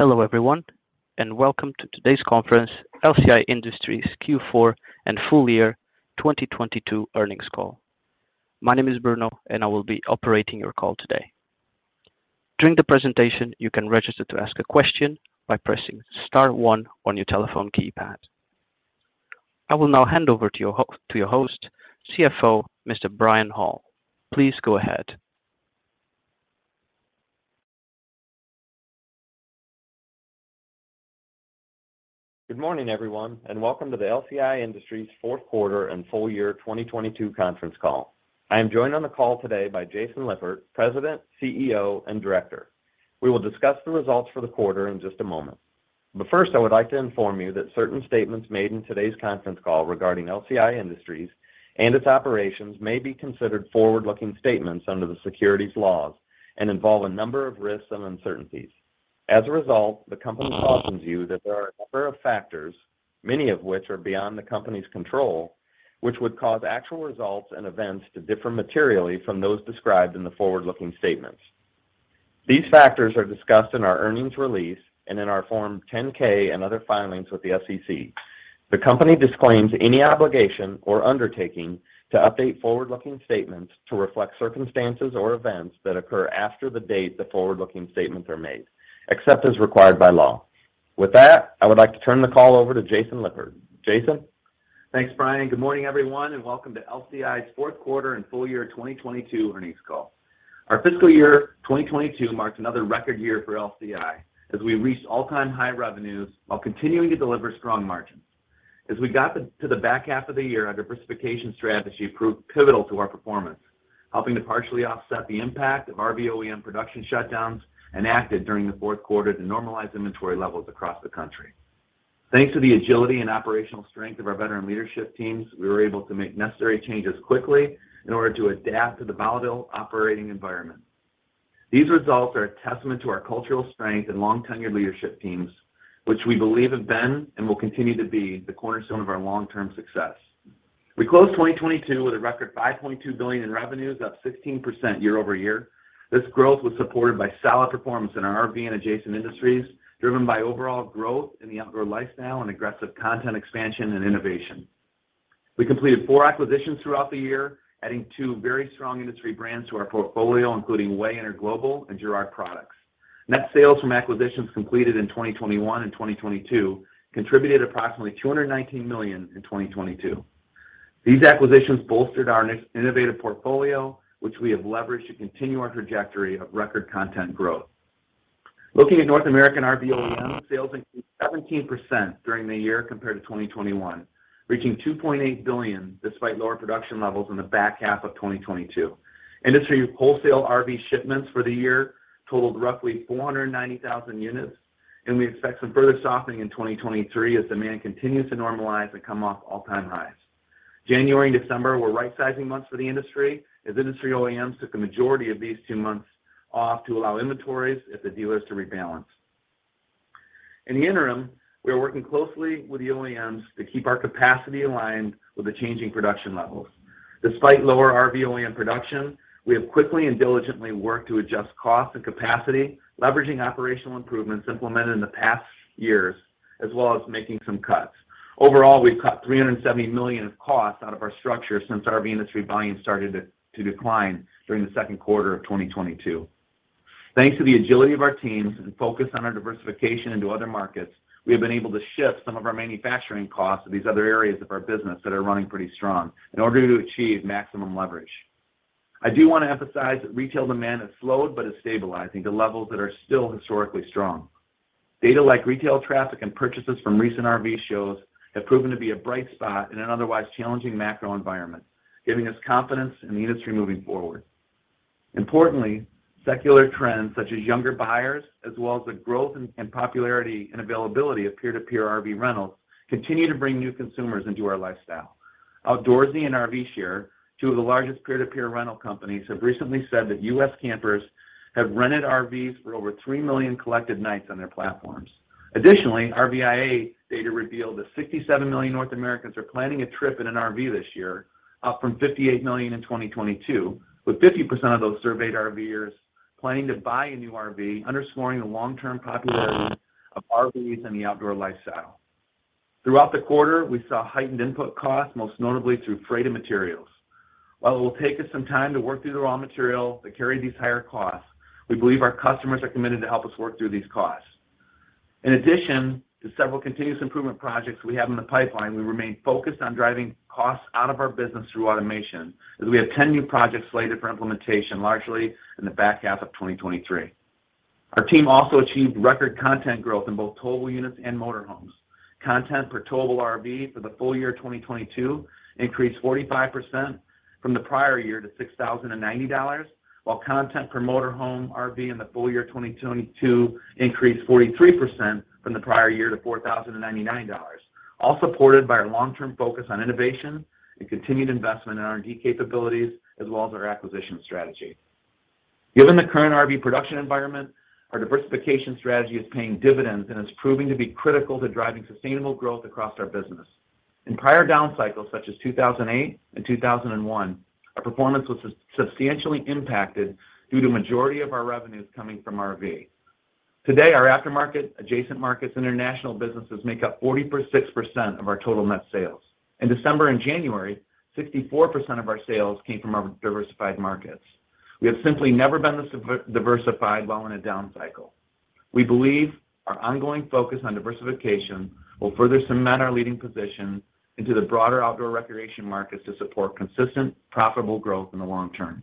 Hello everyone, welcome to today's conference, LCI Industries Q4 and Full Year 2022 earnings call. My name is Bruno. I will be operating your call today. During the presentation, you can register to ask a question by pressing star one on your telephone keypad. I will now hand over to your host, CFO, Mr. Brian Hall. Please go ahead. Good morning, everyone, and welcome to the LCI Industries fourth quarter and full year 2022 conference call. I am joined on the call today by Jason Lippert, President, CEO, and Director. We will discuss the results for the quarter in just a moment. First, I would like to inform you that certain statements made in today's conference call regarding LCI Industries and its operations may be considered forward-looking statements under the securities laws and involve a number of risks and uncertainties. As a result, the company cautions you that there are a number of factors, many of which are beyond the company's control, which would cause actual results and events to differ materially from those described in the forward-looking statements. These factors are discussed in our earnings release and in our Form 10-K and other filings with the SEC. The company disclaims any obligation or undertaking to update forward-looking statements to reflect circumstances or events that occur after the date the forward-looking statements are made, except as required by law. With that, I would like to turn the call over to Jason Lippert. Jason? Thanks, Brian. Good morning, everyone, and welcome to LCI's fourth quarter and full year 2022 earnings call. Our fiscal year 2022 marks another record year for LCI as we reached all-time high revenues while continuing to deliver strong margins. As we got to the back half of the year, our diversification strategy proved pivotal to our performance, helping to partially offset the impact of RV OEM production shutdowns enacted during the fourth quarter to normalize inventory levels across the country. Thanks to the agility and operational strength of our veteran leadership teams, we were able to make necessary changes quickly in order to adapt to the volatile operating environment. These results are a testament to our cultural strength and long tenured leadership teams, which we believe have been and will continue to be the cornerstone of our long-term success. We closed 2022 with a record $5.2 billion in revenues, up 16% year-over-year. This growth was supported by solid performance in our RV and adjacent industries, driven by overall growth in the outdoor lifestyle and aggressive content expansion and innovation. We completed four acquisitions throughout the year, adding two very strong industry brands to our portfolio, including [inaudible] Global and Girard Products. Net sales from acquisitions completed in 2021 and 2022 contributed approximately $219 million in 2022. These acquisitions bolstered our innovative portfolio, which we have leveraged to continue our trajectory of record content growth. Looking at North American RV OEM, sales increased 17% during the year compared to 2021, reaching $2.8 billion despite lower production levels in the back half of 2022. Industry wholesale RV shipments for the year totaled roughly 490,000 units. We expect some further softening in 2023 as demand continues to normalize and come off all-time highs. January and December were rightsizing months for the industry, as industry OEMs took the majority of these two months off to allow inventories at the dealers to rebalance. In the interim, we are working closely with the OEMs to keep our capacity aligned with the changing production levels. Despite lower RV OEM production, we have quickly and diligently worked to adjust cost and capacity, leveraging operational improvements implemented in the past years, as well as making some cuts. Overall, we've cut $370 million of costs out of our structure since RV industry volumes started to decline during the second quarter of 2022. Thanks to the agility of our teams and focus on our diversification into other markets, we have been able to shift some of our manufacturing costs to these other areas of our business that are running pretty strong in order to achieve maximum leverage. I do wanna emphasize that retail demand has slowed but is stabilizing to levels that are still historically strong. Data like retail traffic and purchases from recent RV shows have proven to be a bright spot in an otherwise challenging macro environment, giving us confidence in the industry moving forward. Importantly, secular trends such as younger buyers, as well as the growth and popularity and availability of peer-to-peer RV rentals continue to bring new consumers into our lifestyle. Outdoorsy and RVshare, two of the largest peer-to-peer rental companies, have recently said that U.S. campers have rented RVs for over three million collected nights on their platforms. Additionally, RVIA data revealed that 67 million North Americans are planning a trip in an RV this year, up from 58 million in 2022, with 50% of those surveyed RV-ers planning to buy a new RV, underscoring the long-term popularity of RVs and the outdoor lifestyle. Throughout the quarter, we saw heightened input costs, most notably through freight and materials. While it will take us some time to work through the raw material that carry these higher costs, we believe our customers are committed to help us work through these costs. In addition to several continuous improvement projects we have in the pipeline, we remain focused on driving costs out of our business through automation, as we have 10 new projects slated for implementation, largely in the back half of 2023. Our team also achieved record content growth in both towable units and motor homes. Content per towable RV for the full year 2022 increased 45% from the prior year to $6,090, while content per motorhome RV in the full year 2022 increased 43% from the prior year to $4,099, all supported by our long-term focus on innovation and continued investment in R&D capabilities as well as our acquisition strategy. Given the current RV production environment, our diversification strategy is paying dividends and is proving to be critical to driving sustainable growth across our business. In prior down cycles such as 2008 and 2001, our performance was substantially impacted due to majority of our revenues coming from RV. Today, our aftermarket, adjacent markets, and international businesses make up 46% of our total net sales. In December and January, 64% of our sales came from our diversified markets. We have simply never been this diversified while in a down cycle. We believe our ongoing focus on diversification will further cement our leading position into the broader outdoor recreation markets to support consistent, profitable growth in the long term.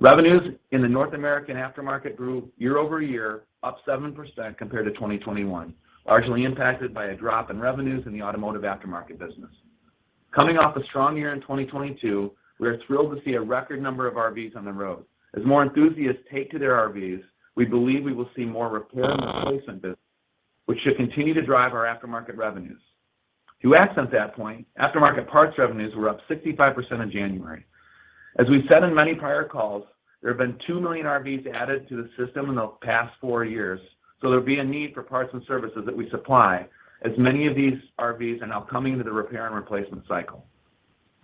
Revenues in the North American aftermarket grew year-over-year up 7% compared to 2021, largely impacted by a drop in revenues in the automotive aftermarket business. Coming off a strong year in 2022, we are thrilled to see a record number of RVs on the road. As more enthusiasts take to their RVs, we believe we will see more repair and replacement business, which should continue to drive our aftermarket revenues. To accent that point, aftermarket parts revenues were up 65% in January. As we've said in many prior calls, there have been two million RVs added to the system in the past 4 years, there'll be a need for parts and services that we supply, as many of these RVs are now coming into the repair and replacement cycle.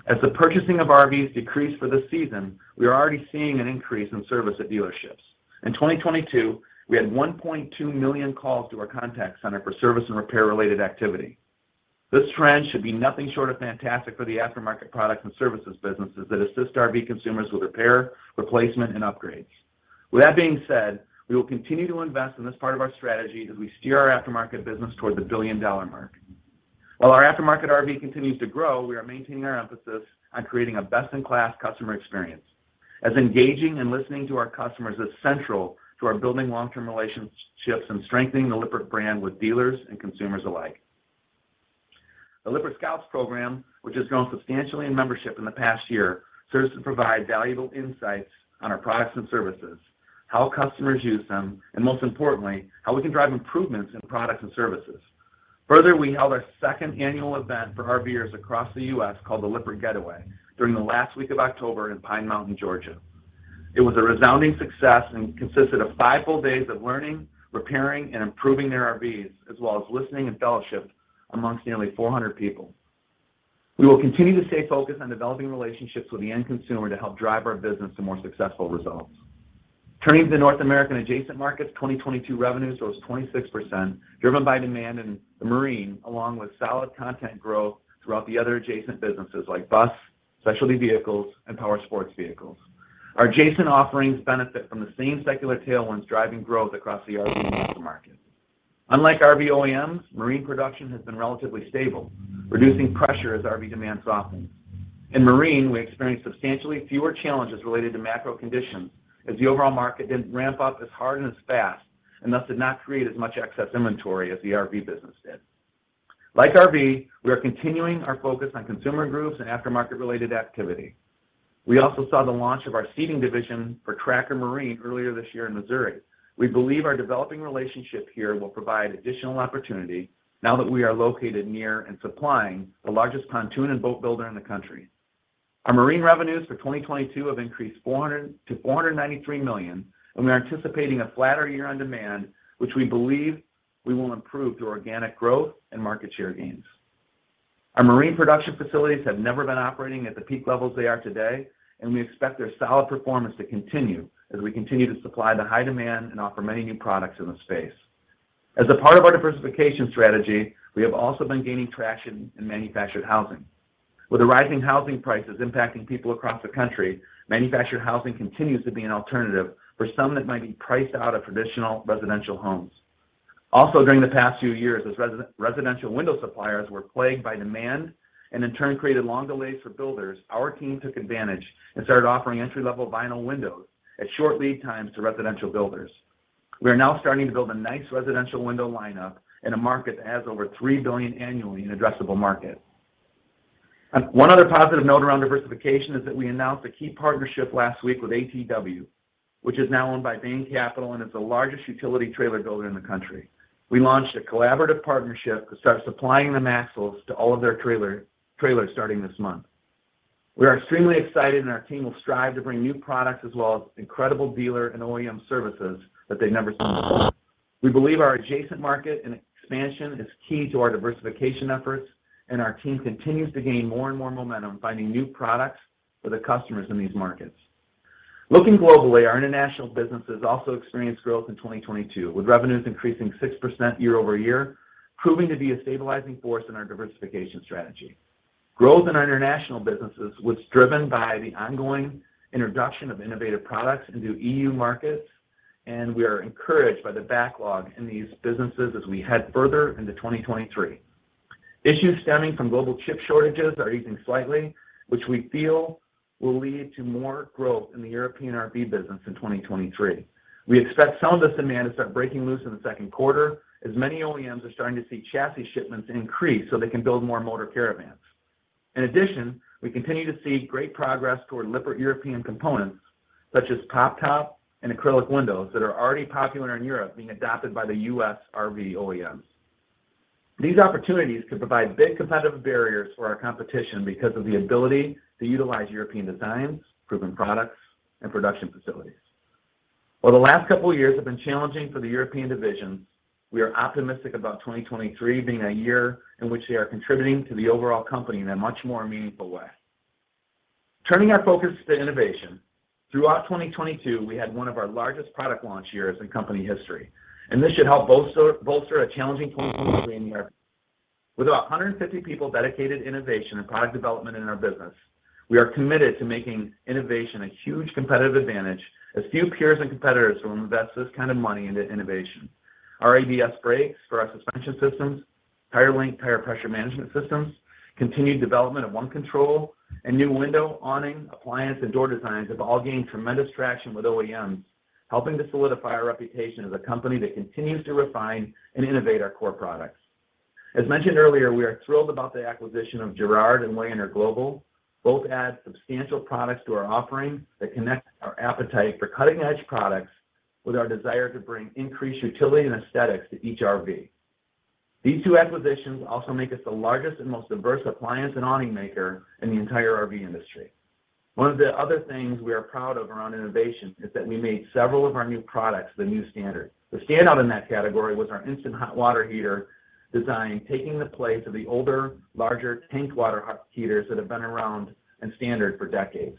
As the purchasing of RVs decrease for this season, we are already seeing an increase in service at dealerships. In 2022, we had 1.2 million calls to our contact center for service and repair-related activity. This trend should be nothing short of fantastic for the aftermarket products and services businesses that assist RV consumers with repair, replacement, and upgrades. With that being said, we will continue to invest in this part of our strategy as we steer our aftermarket business towards the $1 billion mark. While our aftermarket RV continues to grow, we are maintaining our emphasis on creating a best-in-class customer experience. Engaging and listening to our customers is central to our building long-term relationships and strengthening the Lippert brand with dealers and consumers alike. The Lippert Scouts program, which has grown substantially in membership in the past year, serves to provide valuable insights on our products and services, how customers use them, and most importantly, how we can drive improvements in products and services. We held our second annual event for RVers across the U.S. called the Lippert Getaway during the last week of October in Pine Mountain, Georgia. It was a resounding success and consisted of five full days of learning, repairing, and improving their RVs, as well as listening and fellowship amongst nearly 400 people. We will continue to stay focused on developing relationships with the end consumer to help drive our business to more successful results. Turning to the North American adjacent markets, 2022 revenues rose 26%, driven by demand in the marine, along with solid content growth throughout the other adjacent businesses like bus, specialty vehicles, and power sports vehicles. Our adjacent offerings benefit from the same secular tailwinds driving growth across the RV aftermarket. Unlike RV OEMs, marine production has been relatively stable, reducing pressure as RV demand softens. In marine, we experienced substantially fewer challenges related to macro conditions as the overall market didn't ramp up as hard and as fast, and thus did not create as much excess inventory as the RV business did. Like RV, we are continuing our focus on consumer groups and aftermarket-related activity. We also saw the launch of our seating division for Tracker Marine earlier this year in Missouri. We believe our developing relationship here will provide additional opportunity now that we are located near and supplying the largest pontoon and boat builder in the country. Our marine revenues for 2022 have increased to $493 million, we're anticipating a flatter year on demand, which we believe we will improve through organic growth and market share gains. Our marine production facilities have never been operating at the peak levels they are today, we expect their solid performance to continue as we continue to supply the high demand and offer many new products in the space. As a part of our diversification strategy, we have also been gaining traction in manufactured housing. With rising housing prices impacting people across the country, manufactured housing continues to be an alternative for some that might be priced out of traditional residential homes. Also during the past few years, as residential window suppliers were plagued by demand and in turn created long delays for builders, our team took advantage and started offering entry-level vinyl windows at short lead times to residential builders. We are now starting to build a nice residential window lineup in a market that has over $3 billion annually in addressable market. One other positive note around diversification is that we announced a key partnership last week with ATW, which is now owned by Bain Capital and is the largest utility trailer builder in the country. We launched a collaborative partnership to start supplying the axles to all of their trailers starting this month. We are extremely excited. Our team will strive to bring new products as well as incredible dealer and OEM services that they've never seen before. We believe our adjacent market and expansion is key to our diversification efforts. Our team continues to gain more and more momentum finding new products for the customers in these markets. Looking globally, our international businesses also experienced growth in 2022, with revenues increasing 6% year-over-year, proving to be a stabilizing force in our diversification strategy. Growth in our international businesses was driven by the ongoing introduction of innovative products into E.U. markets. We are encouraged by the backlog in these businesses as we head further into 2023. Issues stemming from global chip shortages are easing slightly, which we feel will lead to more growth in the European RV business in 2023. We expect some of this demand to start breaking loose in the second quarter, as many OEMs are starting to see chassis shipments increase so they can build more motorhomes. In addition, we continue to see great progress toward Lippert European components, such as pop top and acrylic windows that are already popular in Europe being adopted by the U.S. RV OEMs. These opportunities could provide big competitive barriers for our competition because of the ability to utilize European designs, proven products, and production facilities. While the last couple of years have been challenging for the European division, we are optimistic about 2023 being a year in which they are contributing to the overall company in a much more meaningful way. Turning our focus to innovation. Throughout 2022, we had one of our largest product launch years in company history. This should help bolster a challenging in Europe. With 150 people dedicated to innovation and product development in our business, we are committed to making innovation a huge competitive advantage, as few peers and competitors will invest this kind of money into innovation. Our ABS Brakes for our suspension systems, Tire Linc tire pressure management systems, continued development of OneControl and new window, awning, appliance, and door designs have all gained tremendous traction with OEMs, helping to solidify our reputation as a company that continues to refine and innovate our core products. As mentioned earlier, we are thrilled about the acquisition of Girard and Lippert Global. Both add substantial products to our offering that connect our appetite for cutting-edge products with our desire to bring increased utility and aesthetics to each RV. These two acquisitions also make us the largest and most diverse appliance and awning maker in the entire RV industry. One of the other things we are proud of around innovation is that we made several of our new products the new standard. The standout in that category was our instant hot water heater design, taking the place of the older, larger tank water hot heaters that have been around and standard for decades.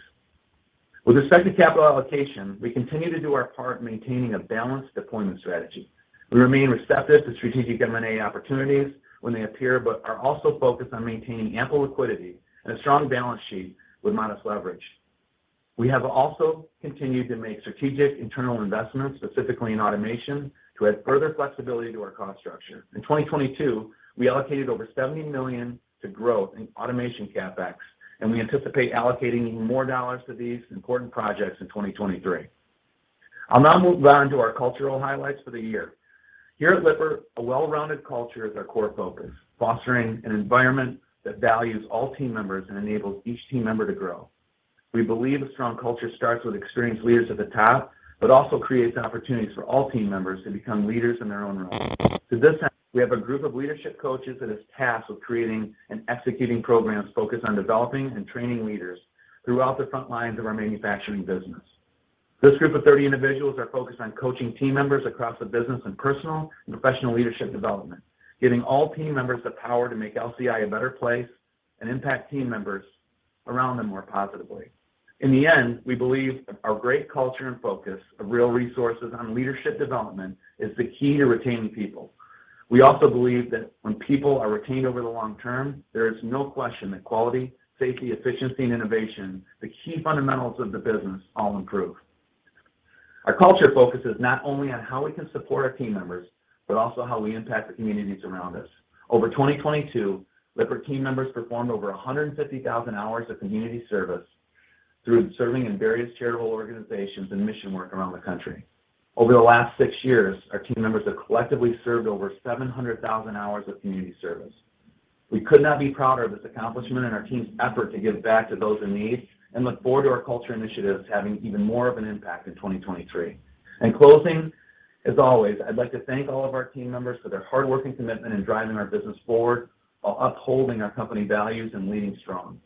With respect to capital allocation, we continue to do our part maintaining a balanced deployment strategy. We remain receptive to strategic M&A opportunities when they appear, but are also focused on maintaining ample liquidity and a strong balance sheet with modest leverage. We have also continued to make strategic internal investments, specifically in automation, to add further flexibility to our cost structure. In 2022, we allocated over $70 million to growth in automation CapEx, and we anticipate allocating even more dollars to these important projects in 2023. I'll now move on to our cultural highlights for the year. Here at Lippert, a well-rounded culture is our core focus, fostering an environment that values all team members and enables each team member to grow. We believe a strong culture starts with experienced leaders at the top, but also creates opportunities for all team members to become leaders in their own right. To this end, we have a group of leadership coaches that is tasked with creating and executing programs focused on developing and training leaders throughout the front lines of our manufacturing business. This group of 30 individuals are focused on coaching team members across the business in personal and professional leadership development, giving all team members the power to make LCI a better place and impact team members around them more positively. In the end, we believe our great culture and focus of real resources on leadership development is the key to retaining people. We also believe that when people are retained over the long term, there is no question that quality, safety, efficiency, and innovation, the key fundamentals of the business, all improve. Our culture focuses not only on how we can support our team members, but also how we impact the communities around us. Over 2022, Lippert team members performed over 150,000 hours of community service through serving in various charitable organizations and mission work around the country. Over the last six years, our team members have collectively served over 700,000 hours of community service. We could not be prouder of this accomplishment and our team's effort to give back to those in need and look forward to our culture initiatives having even more of an impact in 2023. In closing, as always, I'd like to thank all of our team members for their hardworking commitment in driving our business forward while upholding our company values and leading strong.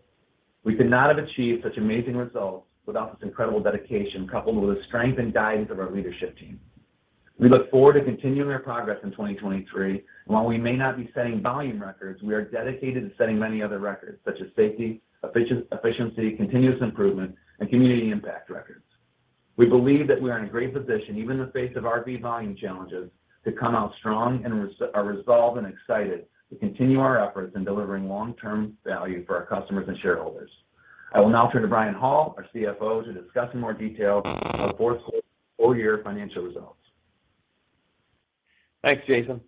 We could not have achieved such amazing results without this incredible dedication, coupled with the strength and guidance of our leadership team. We look forward to continuing our progress in 2023, while we may not be setting volume records, we are dedicated to setting many other records such as safety, efficiency, continuous improvement, and community impact records. We believe that we are in a great position, even in the face of RV volume challenges, to come out strong and resolve and excited to continue our efforts in delivering long-term value for our customers and shareholders. I will now turn to Brian Hall, our CFO, to discuss in more detail our fourth quarter and full year financial results. Thanks, Jason.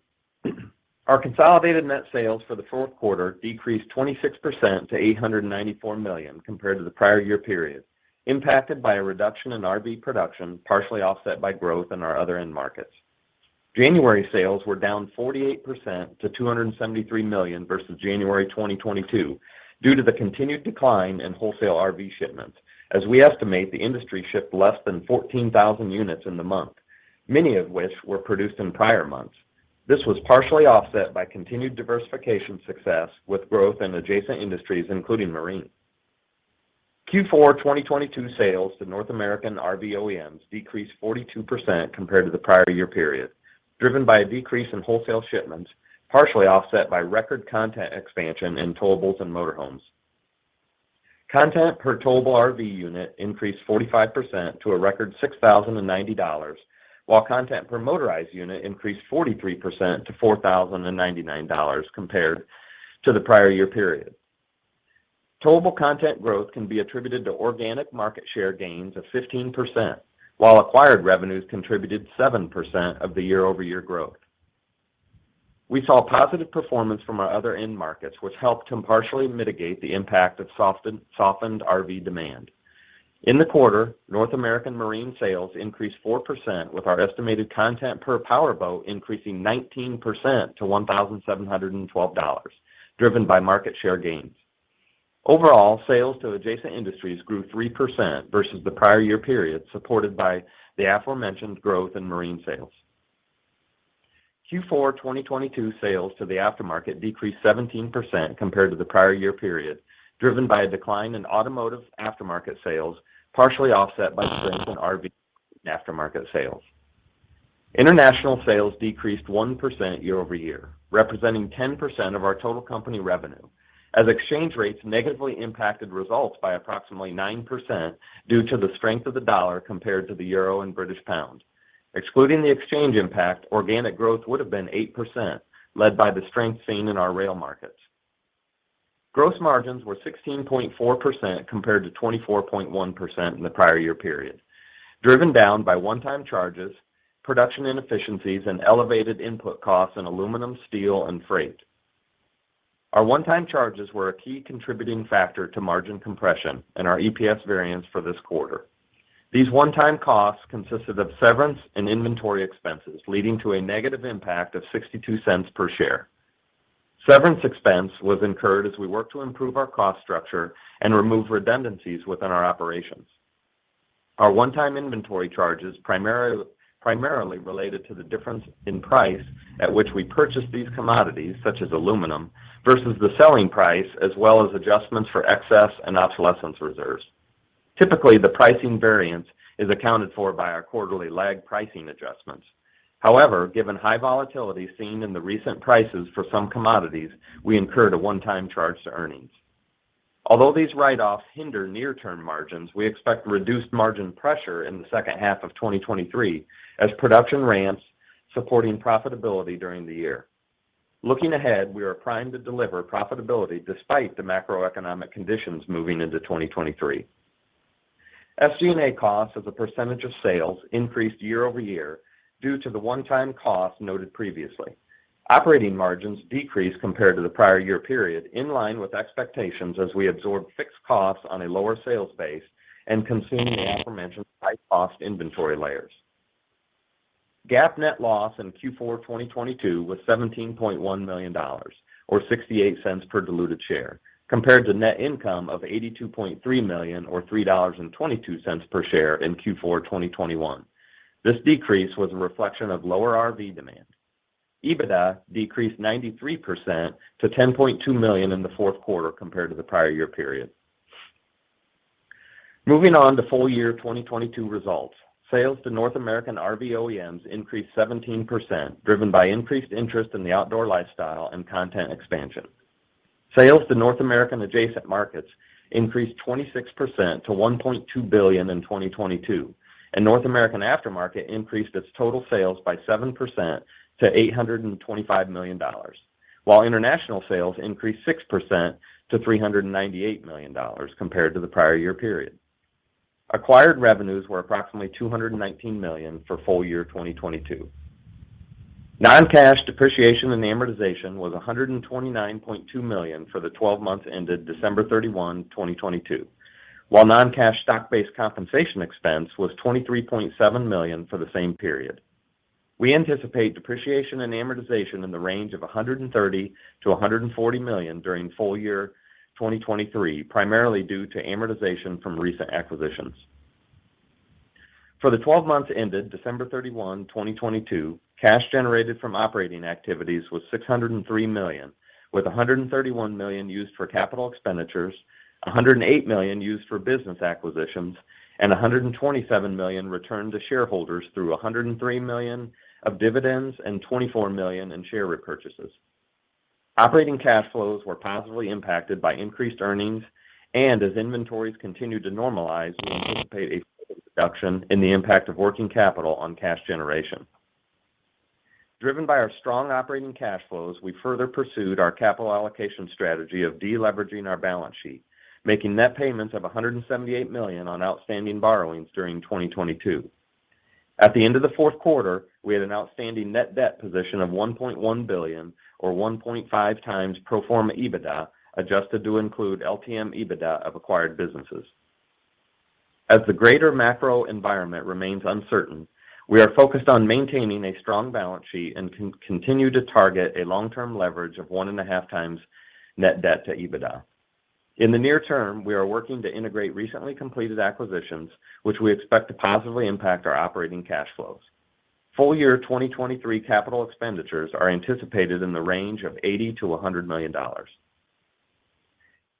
Our consolidated net sales for the fourth quarter decreased 26% to $894 million compared to the prior year period, impacted by a reduction in RV production, partially offset by growth in our other end markets. January sales were down 48% to $273 million versus January 2022 due to the continued decline in wholesale RV shipments, as we estimate the industry shipped less than 14,000 units in the month, many of which were produced in prior months. This was partially offset by continued diversification success with growth in adjacent industries, including marine. Q4 2022 sales to North American RV OEMs decreased 42% compared to the prior year period, driven by a decrease in wholesale shipments, partially offset by record content expansion in towables and motor homes. Content per towable RV unit increased 45% to a record $6,090, while content per motorized unit increased 43% to $4,099 compared to the prior year period. Towable content growth can be attributed to organic market share gains of 15%, while acquired revenues contributed 7% of the year-over-year growth. We saw positive performance from our other end markets, which helped to partially mitigate the impact of softened RV demand. In the quarter, North American marine sales increased 4%, with our estimated content per power boat increasing 19% to $1,712, driven by market share gains. Overall, sales to adjacent industries grew 3% versus the prior year period, supported by the aforementioned growth in marine sales. Q4 2022 sales to the aftermarket decreased 17% compared to the prior year period, driven by a decline in automotive aftermarket sales, partially offset by strength in RV aftermarket sales. International sales decreased 1% year-over-year, representing 10% of our total company revenue, as exchange rates negatively impacted results by approximately 9% due to the strength of the dollar compared to the euro and British pound. Excluding the exchange impact, organic growth would have been 8%, led by the strength seen in our rail markets. Gross margins were 16.4% compared to 24.1% in the prior year period, driven down by one-time charges, production inefficiencies, and elevated input costs in aluminum, steel, and freight. Our one-time charges were a key contributing factor to margin compression and our EPS variance for this quarter. These one-time costs consisted of severance and inventory expenses, leading to a negative impact of $0.62 per share. Severance expense was incurred as we worked to improve our cost structure and remove redundancies within our operations. Our one-time inventory charges primarily related to the difference in price at which we purchased these commodities, such as aluminum, versus the selling price, as well as adjustments for excess and obsolescence reserves. Typically, the pricing variance is accounted for by our quarterly lagged pricing adjustments. However, given high volatility seen in the recent prices for some commodities, we incurred a one-time charge to earnings. Although these write-offs hinder near-term margins, we expect reduced margin pressure in the second half of 2023 as production ramps, supporting profitability during the year. Looking ahead, we are primed to deliver profitability despite the macroeconomic conditions moving into 2023. SG&A costs as a % of sales increased year-over-year due to the one-time costs noted previously. Operating margins decreased compared to the prior year period in line with expectations as we absorbed fixed costs on a lower sales base and consumed the aforementioned high-cost inventory layers. GAAP net loss in Q4 2022 was $17.1 million or $0.68 per diluted share compared to net income of $82.3 million or $3.22 per share in Q4 2021. This decrease was a reflection of lower RV demand. EBITDA decreased 93% to $10.2 million in the fourth quarter compared to the prior year period. Moving on to full year 2022 results. Sales to North American RV OEMs increased 17%, driven by increased interest in the outdoor lifestyle and content expansion. Sales to North American adjacent markets increased 26% to $1.2 billion in 2022, North American aftermarket increased its total sales by 7% to $825 million, while international sales increased 6% to $398 million compared to the prior year period. Acquired revenues were approximately $219 million for full year 2022. Non-cash depreciation and amortization was $129.2 million for the 12 months ended December 31, 2022, while non-cash stock-based compensation expense was $23.7 million for the same period. We anticipate depreciation and amortization in the range of $130 million-$140 million during full year 2023, primarily due to amortization from recent acquisitions. For the 12 months ended December 31, 2022, cash generated from operating activities was $603 million, with $131 million used for capital expenditures, $108 million used for business acquisitions, and $127 million returned to shareholders through $103 million of dividends and $24 million in share repurchases. Operating cash flows were positively impacted by increased earnings and as inventories continued to normalize, we anticipate a further reduction in the impact of working capital on cash generation. Driven by our strong operating cash flows, we further pursued our capital allocation strategy of de-leveraging our balance sheet, making net payments of $178 million on outstanding borrowings during 2022. At the end of the fourth quarter, we had an outstanding net debt position of $1.1 billion or 1.5 times pro forma EBITDA, adjusted to include LTM EBITDA of acquired businesses. As the greater macro environment remains uncertain, we are focused on maintaining a strong balance sheet and continue to target a long-term leverage of 1.5x net debt to EBITDA. In the near term, we are working to integrate recently completed acquisitions, which we expect to positively impact our operating cash flows. Full year 2023 capital expenditures are anticipated in the range of $80 million-$100 million.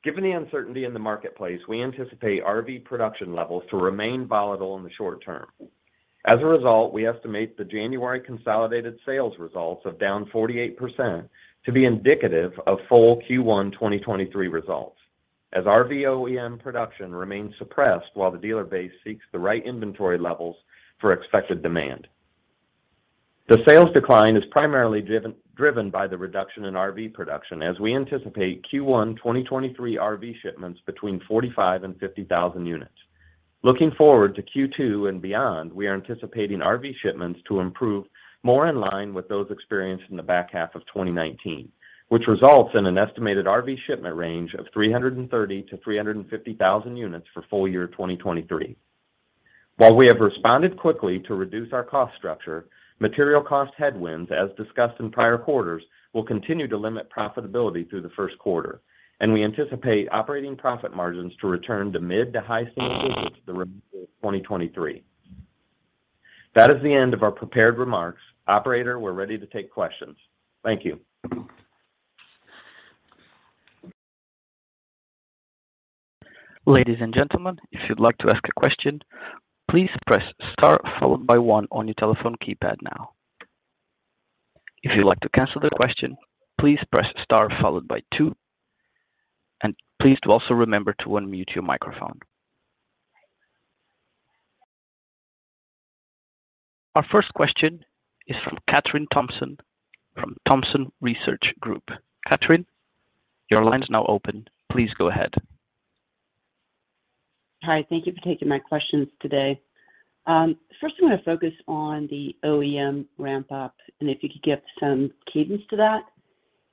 Given the uncertainty in the marketplace, we anticipate RV production levels to remain volatile in the short term. As a result, we estimate the January consolidated sales results of down 48% to be indicative of full Q1 2023 results as RV OEM production remains suppressed while the dealer base seeks the right inventory levels for expected demand. The sales decline is primarily driven by the reduction in RV production as we anticipate Q1 2023 RV shipments between 45,000 and 50,000 units. Looking forward to Q2 and beyond, we are anticipating RV shipments to improve more in line with those experienced in the back half of 2019, which results in an estimated RV shipment range of 330,000-350,000 units for full year 2023. While we have responded quickly to reduce our cost structure, material cost headwinds, as discussed in prior quarters, will continue to limit profitability through the first quarter, and we anticipate operating profit margins to return to mid to high single digits. 2023. That is the end of our prepared remarks. Operator, we're ready to take questions. Thank you. Ladies and gentlemen, if you'd like to ask a question, please press star followed by one on your telephone keypad now. If you'd like to cancel the question, please press star followed by two. Please do also remember to unmute your microphone. Our first question is from Kathryn Thompson from Thompson Research Group. Kathryn, your line's now open. Please go ahead. Hi, thank you for taking my questions today. First I'm gonna focus on the OEM ramp up, and if you could give some cadence to that.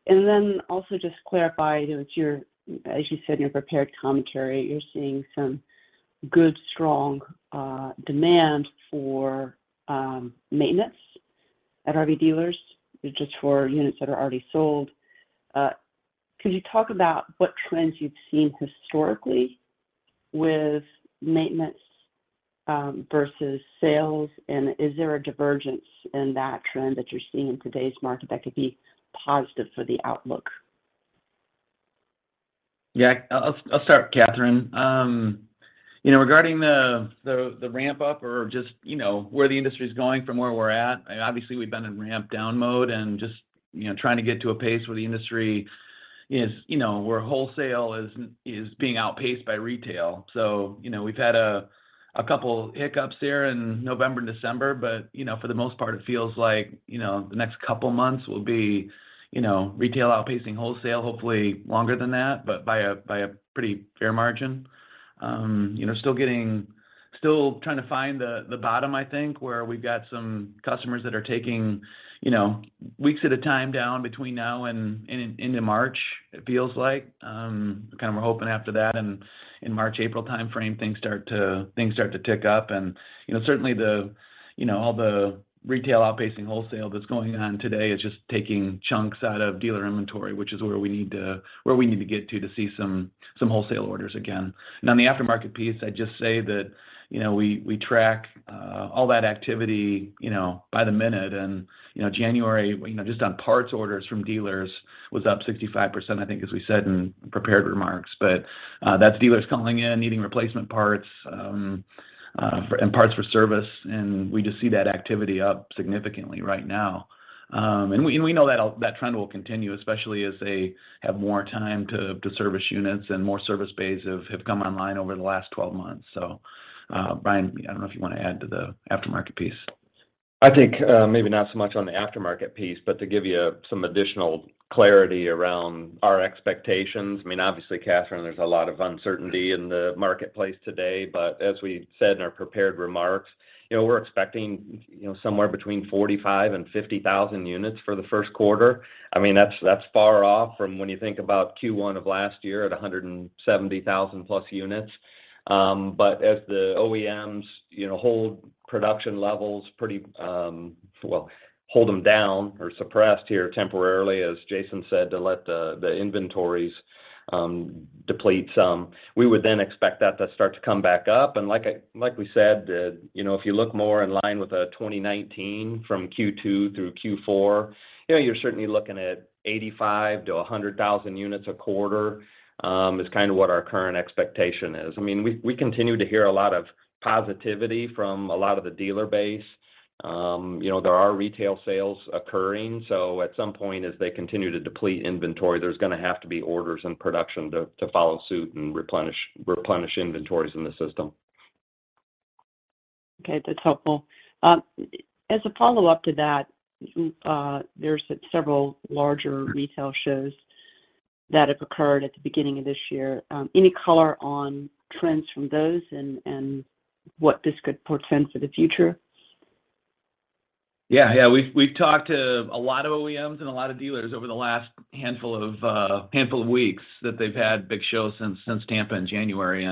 Then also just clarify, you know, as you said in your prepared commentary, you're seeing some good, strong demand for maintenance at RV dealers just for units that are already sold. Could you talk about what trends you've seen historically with maintenance versus sales? Is there a divergence in that trend that you're seeing in today's market that could be positive for the outlook? Yeah. I'll start, Kathryn. you know, regarding the ramp up or just, you know, where the industry's going from where we're at, obviously we've been in ramp down mode and just, you know, trying to get to a pace where the industry is, you know, where wholesale is being outpaced by retail. We've had a couple hiccups there in November and December, but, you know, for the most part it feels like, you know, the next couple months will be, you know, retail outpacing wholesale, hopefully longer than that, but by a pretty fair margin. you know, still trying to find the bottom, I think, where we've got some customers that are taking, you know, weeks at a time down between now and into March, it feels like. Kind of we're hoping after that and in March, April timeframe, things start to tick up. You know, certainly the, you know, all the retail outpacing wholesale that's going on today is just taking chunks out of dealer inventory, which is where we need to get to to see some wholesale orders again. On the aftermarket piece, I'd just say that, you know, we track all that activity, you know, by the minute and, you know, January, you know, just on parts orders from dealers was up 65%, I think, as we said in prepared remarks. That's dealers calling in, needing replacement parts and parts for service, and we just see that activity up significantly right now. We know that trend will continue, especially as they have more time to service units and more service bays have come online over the last 12 months. Brian, I don't know if you want to add to the aftermarket piece. I think, maybe not so much on the aftermarket piece, but to give you some additional clarity around our expectations. I mean, obviously, Kathryn, there's a lot of uncertainty in the marketplace today. As we said in our prepared remarks, you know, we're expecting, you know, somewhere between 45,000 and 50,000 units for the first quarter. I mean, that's far off from when you think about Q1 of last year at 170,000+ units. As the OEMs, you know, hold production levels pretty, Well, hold them down or suppressed here temporarily, as Jason said, to let the inventories, deplete some. We would expect that to start to come back up. Like we said, the, you know, if you look more in line with 2019 from Q2 through Q4, you know, you're certainly looking at 85,000-100,000 units a quarter, is kind of what our current expectation is. I mean, we continue to hear a lot of positivity from a lot of the dealer base. You know, there are retail sales occurring, so at some point as they continue to deplete inventory, there's gonna have to be orders and production to follow suit and replenish inventories in the system. Okay. That's helpful. As a follow-up to that, there's several larger retail shows that have occurred at the beginning of this year. Any color on trends from those and what this could portend for the future? Yeah. Yeah. We've talked to a lot of OEMs and a lot of dealers over the last handful of weeks that they've had big shows since Tampa in January.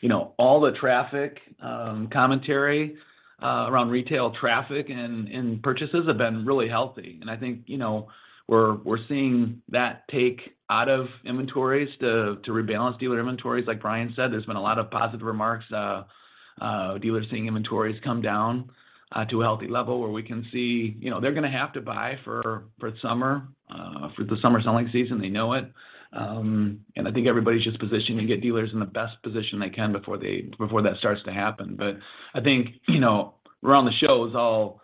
You know, all the traffic commentary around retail traffic and purchases have been really healthy. I think, you know, we're seeing that take out of inventories to rebalance dealer inventories. Like Brian said, there's been a lot of positive remarks. Dealers seeing inventories come down to a healthy level where we can see, you know, they're gonna have to buy for summer, for the summer selling season. They know it. I think everybody's just positioning to get dealers in the best position they can before that starts to happen. I think, you know, around the shows, all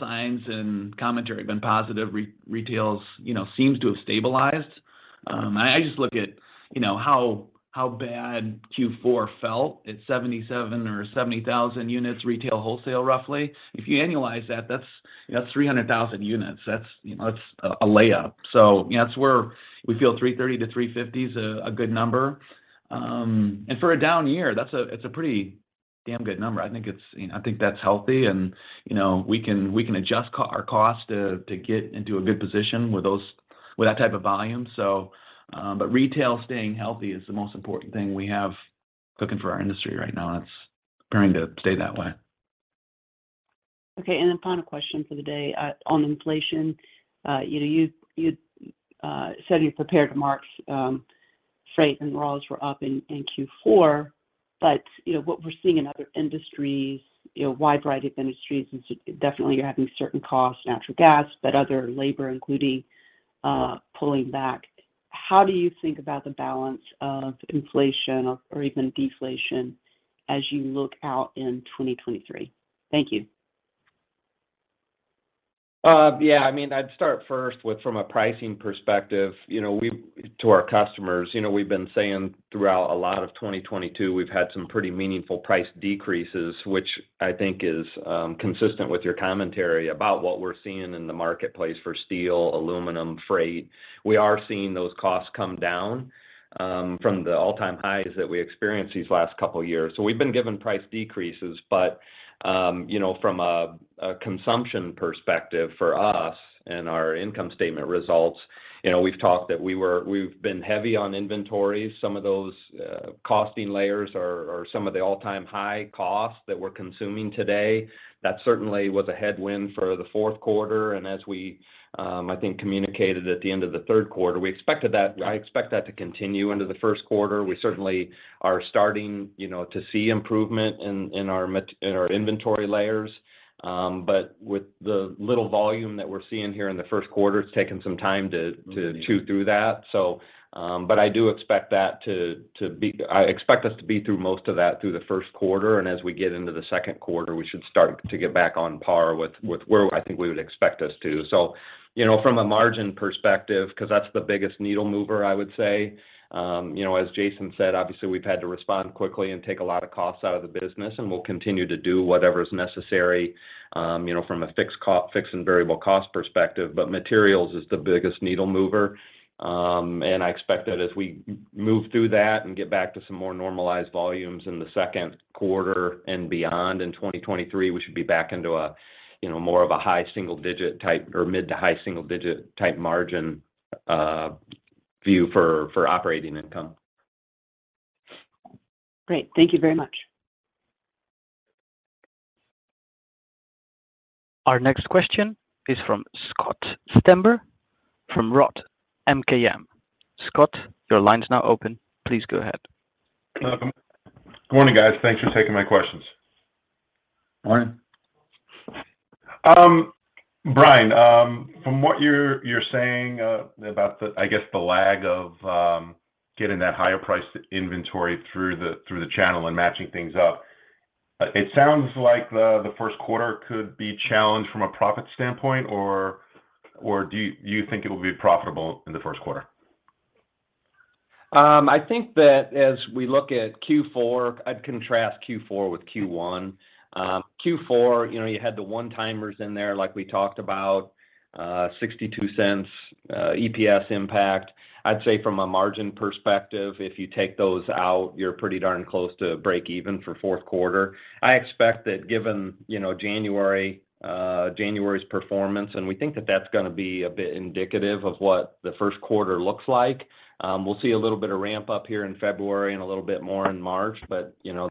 signs and commentary have been positive. Retails, you know, seems to have stabilized. I just look at, you know, how bad Q4 felt at 77,000 or 70,000 units retail wholesale, roughly. If you annualize that's, you know, that's 300,000 units. That's, you know, that's a layup. You know, that's where we feel 330,000-350,000 units is a good number. And for a down year, that's a pretty damn good number. I think it's, you know, I think that's healthy and, you know, we can adjust our cost to get into a good position with those, with that type of volume. Retail staying healthy is the most important thing we have looking for our industry right now, and it's appearing to stay that way. Okay, final question for the day, on inflation. You know, you said you're prepared to mark, freight and raws were up in Q4, what we're seeing in other industries, you know, a wide variety of industries is definitely you're having certain costs, natural gas, other labor, including, pulling back. How do you think about the balance of inflation or even deflation as you look out in 2023? Thank you. Yeah, I mean, I'd start first with, from a pricing perspective, you know, to our customers, you know, we've been saying throughout a lot of 2022, we've had some pretty meaningful price decreases, which I think is consistent with your commentary about what we're seeing in the marketplace for steel, aluminum, freight. We are seeing those costs come down from the all-time highs that we experienced these last couple years. We've been given price decreases, but, you know, from a consumption perspective for us and our income statement results, you know, we've talked that we've been heavy on inventories. Some of those costing layers are some of the all-time high costs that we're consuming today. That certainly was a headwind for the fourth quarter, and as we, I think, communicated at the end of the third quarter, I expect that to continue into the first quarter. We certainly are starting, you know, to see improvement in our inventory layers. But with the little volume that we're seeing here in the first quarter, it's taken some time to chew through that. But I do expect that to be I expect us to be through most of that through the first quarter, and as we get into the second quarter, we should start to get back on par with where I think we would expect us to. You know, from a margin perspective, 'cause that's the biggest needle mover, I would say, you know, as Jason said, obviously we've had to respond quickly and take a lot of costs out of the business, and we'll continue to do whatever is necessary, you know, from a fixed and variable cost perspective. But materials is the biggest needle mover, and I expect that as we move through that and get back to some more normalized volumes in the second quarter and beyond in 2023, we should be back into a, you know, more of a high single digit type or mid to high single digit type margin view for operating income. Great. Thank you very much. Our next question is from Scott Stember from ROTH MKM. Scott, your line's now open. Please go ahead. Welcome. Morning, guys. Thanks for taking my questions. Morning. Brian, from what you're saying, about the, I guess, the lag of, getting that higher priced inventory through the channel and matching things up, it sounds like the first quarter could be challenged from a profit standpoint, or do you think it will be profitable in the first quarter? I think that as we look at Q4, I'd contrast Q4 with Q1. Q4, you know, you had the one-timers in there like we talked about, $0.62 EPS impact. I'd say from a margin perspective, if you take those out, you're pretty darn close to break even for fourth quarter. I expect that given, you know, January's performance, and we think that that's gonna be a bit indicative of what the first quarter looks like, we'll see a little bit of ramp up here in February and a little bit more in March. You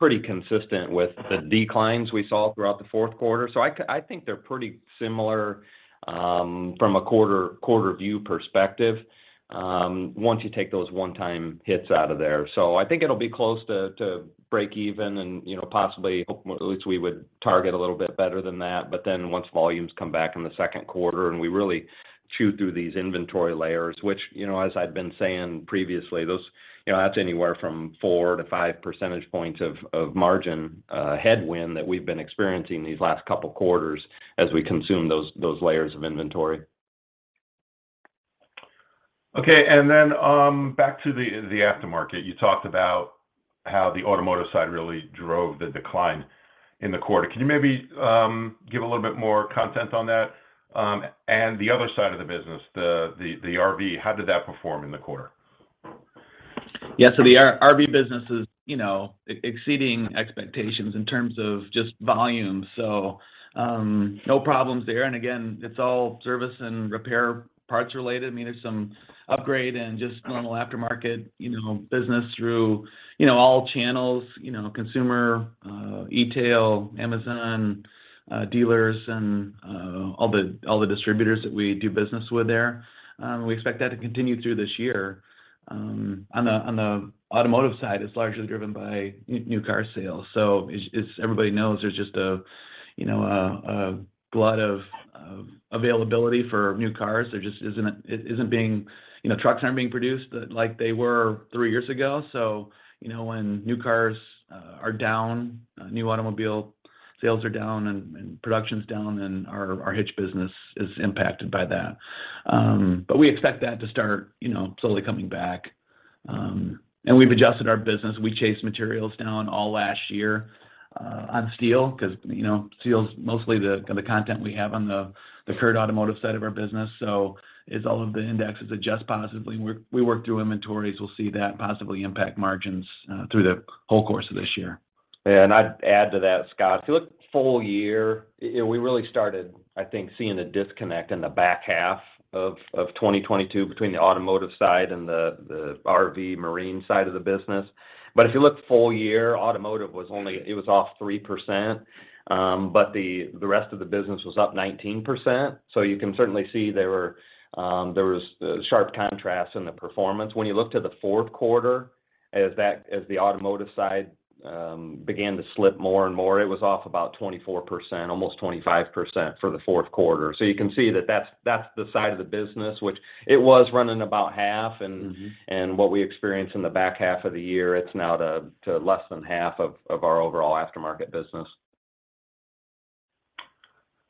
know, pretty consistent with the declines we saw throughout the fourth quarter. I think they're pretty similar, from a quarter view perspective, once you take those one-time hits out of there. I think it'll be close to break even and, you know, possibly, at least we would target a little bit better than that. Once volumes come back in the second quarter and we really chew through these inventory layers, which, you know, as I'd been saying previously, those, you know, that's anywhere from four to five percentage points of margin headwind that we've been experiencing these last couple quarters as we consume those layers of inventory. Okay, back to the aftermarket. You talked about how the automotive side really drove the decline in the quarter. Can you maybe, give a little bit more content on that? The other side of the business, the RV, how did that perform in the quarter? Yeah. The RV business is, you know, exceeding expectations in terms of just volume, no problems there. Again, it's all service and repair parts related. I mean, there's some upgrade and just normal aftermarket, you know, business through, you know, all channels, you know, consumer, e-tail, Amazon, dealers and all the distributors that we do business with there. We expect that to continue through this year. On the automotive side, it's largely driven by new car sales. As everybody knows, there's just a, you know, a glut of availability for new cars. There just isn't being... You know, trucks aren't being produced like they were three years ago. You know, when new cars are down, new automobile sales are down and production's down, then our hitch business is impacted by that. We expect that to start, you know, slowly coming back. We've adjusted our business. We chased materials down all last year on steel 'cause, you know, steel's mostly the content we have on the current automotive side of our business. As all of the indexes adjust positively and we work through inventories, we'll see that possibly impact margins through the whole course of this year. I'd add to that, Scott. If you look full year, yeah, we really started, I think, seeing a disconnect in the back half of 2022 between the automotive side and the RV/marine side of the business. If you look full year, automotive it was off 3%. The rest of the business was up 19%. You can certainly see there were a sharp contrast in the performance. When you looked at the fourth quarter as the automotive side began to slip more and more, it was off about 24%, almost 25% for the fourth quarter. You can see that that's the side of the business which it was running about half. Mm-hmm. What we experienced in the back half of the year, it's now to less than half of our overall aftermarket business.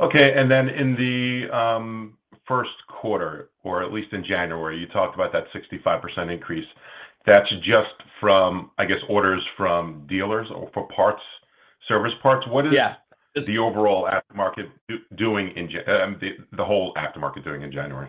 Okay. In the first quarter, or at least in January, you talked about that 65% increase. That's just from, I guess, orders from dealers or for parts, service parts. Yeah... the whole aftermarket doing in January?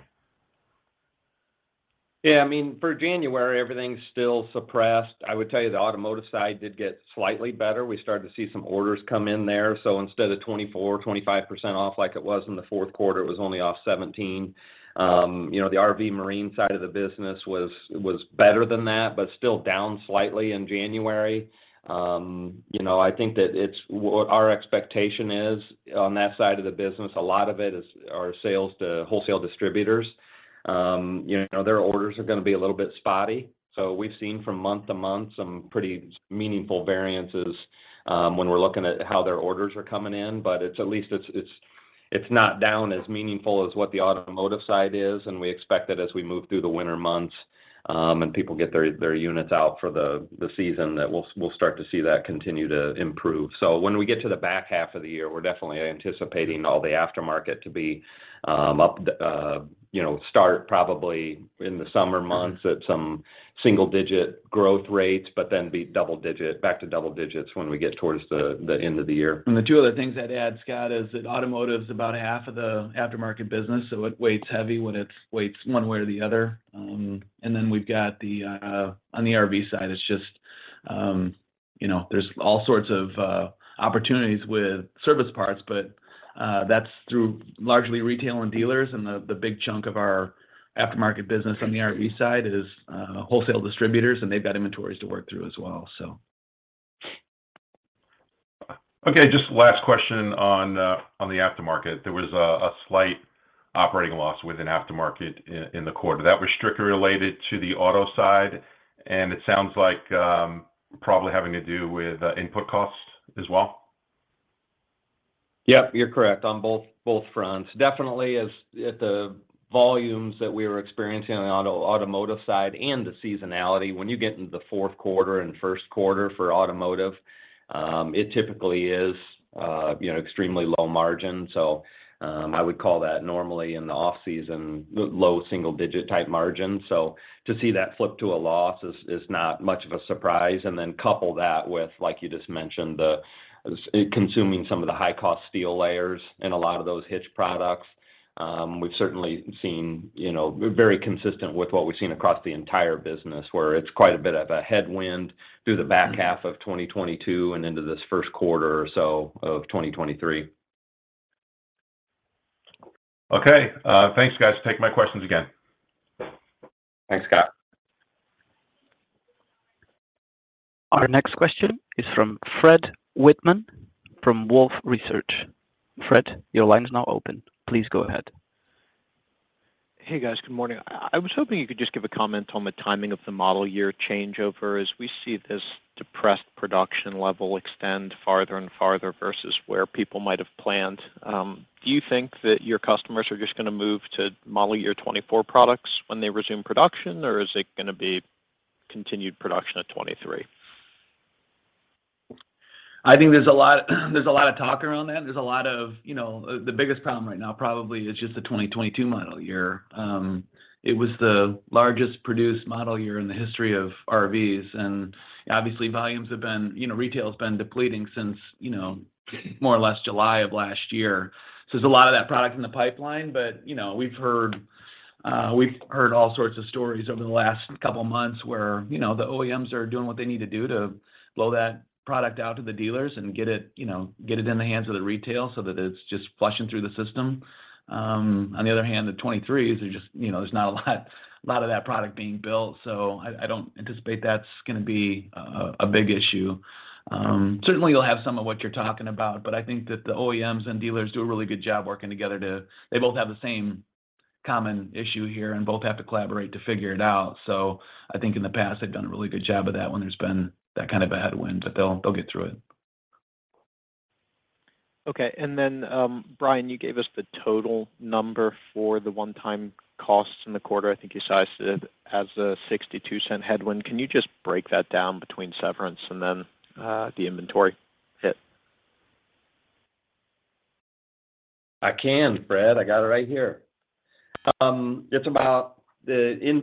Yeah. I mean, for January, everything's still suppressed. I would tell you the automotive side did get slightly better. We started to see some orders come in there. Instead of 24%, 25% off like it was in the fourth quarter, it was only off 17%. You know, the RV/marine side of the business was better than that, but still down slightly in January. You know, I think that what our expectation is on that side of the business, a lot of it is our sales to wholesale distributors. You know, their orders are gonna be a little bit spotty. We've seen from month to month some pretty meaningful variances, when we're looking at how their orders are coming in, but it's at least it's not down as meaningful as what the automotive side is. We expect that as we move through the winter months, and people get their units out for the season, that we'll start to see that continue to improve. When we get to the back half of the year, we're definitely anticipating all the aftermarket to be up, you know, start probably in the summer months at some single-digit growth rates, but then be back to double digits when we get towards the end of the year. The two other things I'd add, Scott, is that automotive's about half of the aftermarket business, so it weights heavy when it weights one way or the other. Then we've got the on the RV side, it's just, you know, there's all sorts of opportunities with service parts, but that's through largely retail and dealers. The big chunk of our aftermarket business on the RV side is wholesale distributors, and they've got inventories to work through as well, so. Just last question on the aftermarket. There was a slight operating loss within aftermarket in the quarter. That was strictly related to the auto side, and it sounds like probably having to do with input costs as well. Yep, you're correct on both fronts. Definitely as at the volumes that we were experiencing on the automotive side and the seasonality, when you get into the fourth quarter and first quarter for automotive, it typically is, you know, extremely low margin. I would call that normally in the off-season low single digit type margin. To see that flip to a loss is not much of a surprise. Couple that with, like you just mentioned, the consuming some of the high cost steel layers in a lot of those hitch products. We've certainly seen, you know, very consistent with what we've seen across the entire business, where it's quite a bit of a headwind through the back half of 2022 and into this first quarter or so of 2023. Okay. Thanks, guys. Take my questions again. Thanks, Scott. Our next question is from Fred Wightman from Wolfe Research. Fred, your line is now open. Please go ahead. Hey, guys. Good morning. I was hoping you could just give a comment on the timing of the model year changeover as we see this depressed production level extend farther and farther versus where people might have planned. Do you think that your customers are just gonna move to model year 2024 products when they resume production, or is it gonna be continued production of 2023? I think there's a lot, there's a lot of talk around that. There's a lot of, you know, the biggest problem right now probably is just the 2022 model year. It was the largest produced model year in the history of RVs. Obviously volumes have been, you know, retail's been depleting since, you know, more or less July of last year. There's a lot of that product in the pipeline, but, you know, we've heard all sorts of stories over the last couple of months where, you know, the OEMs are doing what they need to do to blow that product out to the dealers and get it, you know, get it in the hands of the retail so that it's just flushing through the system. On the other hand, the2023s are just, you know, there's not a lot of that product being built, so I don't anticipate that's gonna be a big issue. Certainly you'll have some of what you're talking about, but I think that the OEMs and dealers do a really good job working together to. They both have the same common issue here and both have to collaborate to figure it out. I think in the past they've done a really good job of that when there's been that kind of a headwind, but they'll get through it. Okay. Brian, you gave us the total number for the one-time costs in the quarter. I think you sized it as a $0.62 headwind. Can you just break that down between severance and then, the inventory hit? I can, Fred. I got it right here. It's about the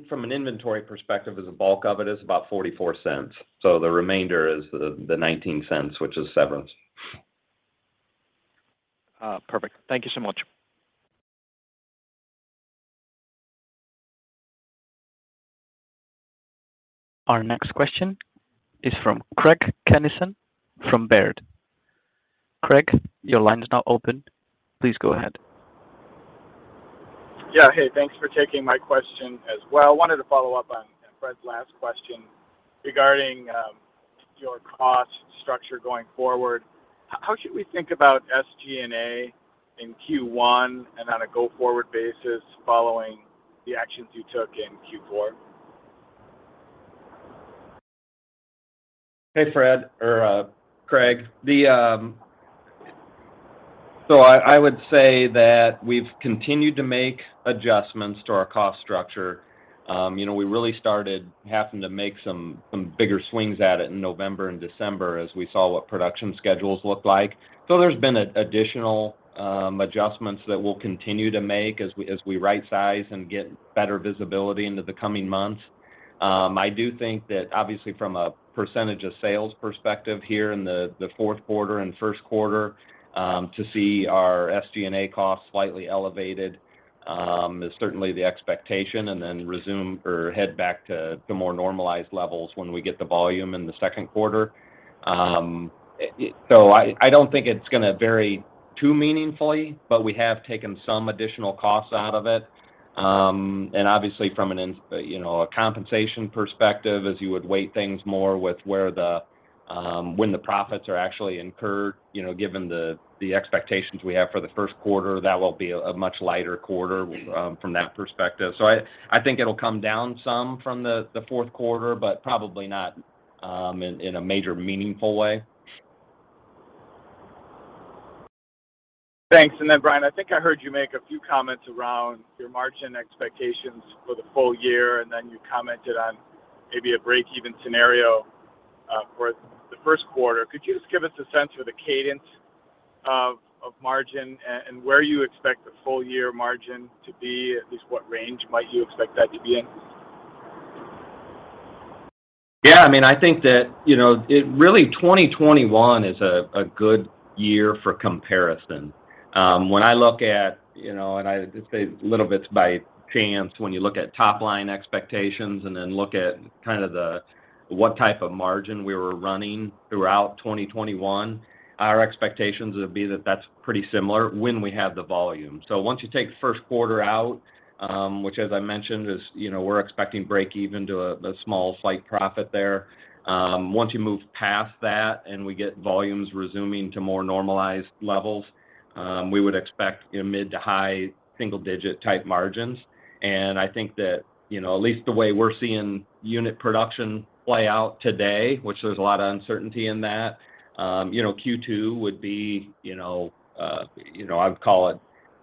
from an inventory perspective as a bulk of it is about $0.44. The remainder is the $0.19, which is severance. Perfect. Thank you so much. Our next question is from Craig Kennison from Baird. Craig, your line is now open. Please go ahead. Thanks for taking my question as well. Wanted to follow up on Fred's last question regarding your cost structure going forward. How should we think about SG&A in Q1 and on a go-forward basis following the actions you took in Q4? Hey, Fred or Craig. I would say that we've continued to make adjustments to our cost structure. You know, we really started having to make some bigger swings at it in November and December as we saw what production schedules looked like. There's been additional adjustments that we'll continue to make as we right size and get better visibility into the coming months. I do think that obviously from a percentage of sales perspective here in the fourth quarter and first quarter, to see our SG&A costs slightly elevated, is certainly the expectation, and then resume or head back to the more normalized levels when we get the volume in the second quarter. I don't think it's gonna vary too meaningfully, but we have taken some additional costs out of it. obviously from a you know, compensation perspective, as you would weight things more with where the, when the profits are actually incurred, you know, given the expectations we have for the first quarter, that will be a much lighter quarter from that perspective. I think it'll come down some from the fourth quarter, but probably not in a major meaningful way. Thanks. Brian, I think I heard you make a few comments around your margin expectations for the full year, and then you commented on maybe a break-even scenario for the first quarter. Could you just give us a sense for the cadence of margin and where you expect the full year margin to be, at least what range might you expect that to be in? I mean, I think that, you know, it really, 2021 is a good year for comparison. When I look at, you know, and I, it's a little bit by chance when you look at top line expectations and then look at kind of the what type of margin we were running throughout 2021. Our expectations would be that that's pretty similar when we have the volume. Once you take first quarter out, which as I mentioned is, you know, we're expecting break-even to a small slight profit there. Once you move past that and we get volumes resuming to more normalized levels, we would expect a mid to high single-digit type margins. I think that, you know, at least the way we're seeing unit production play out today, which there's a lot of uncertainty in that, you know, Q2 would be, you know, I would call it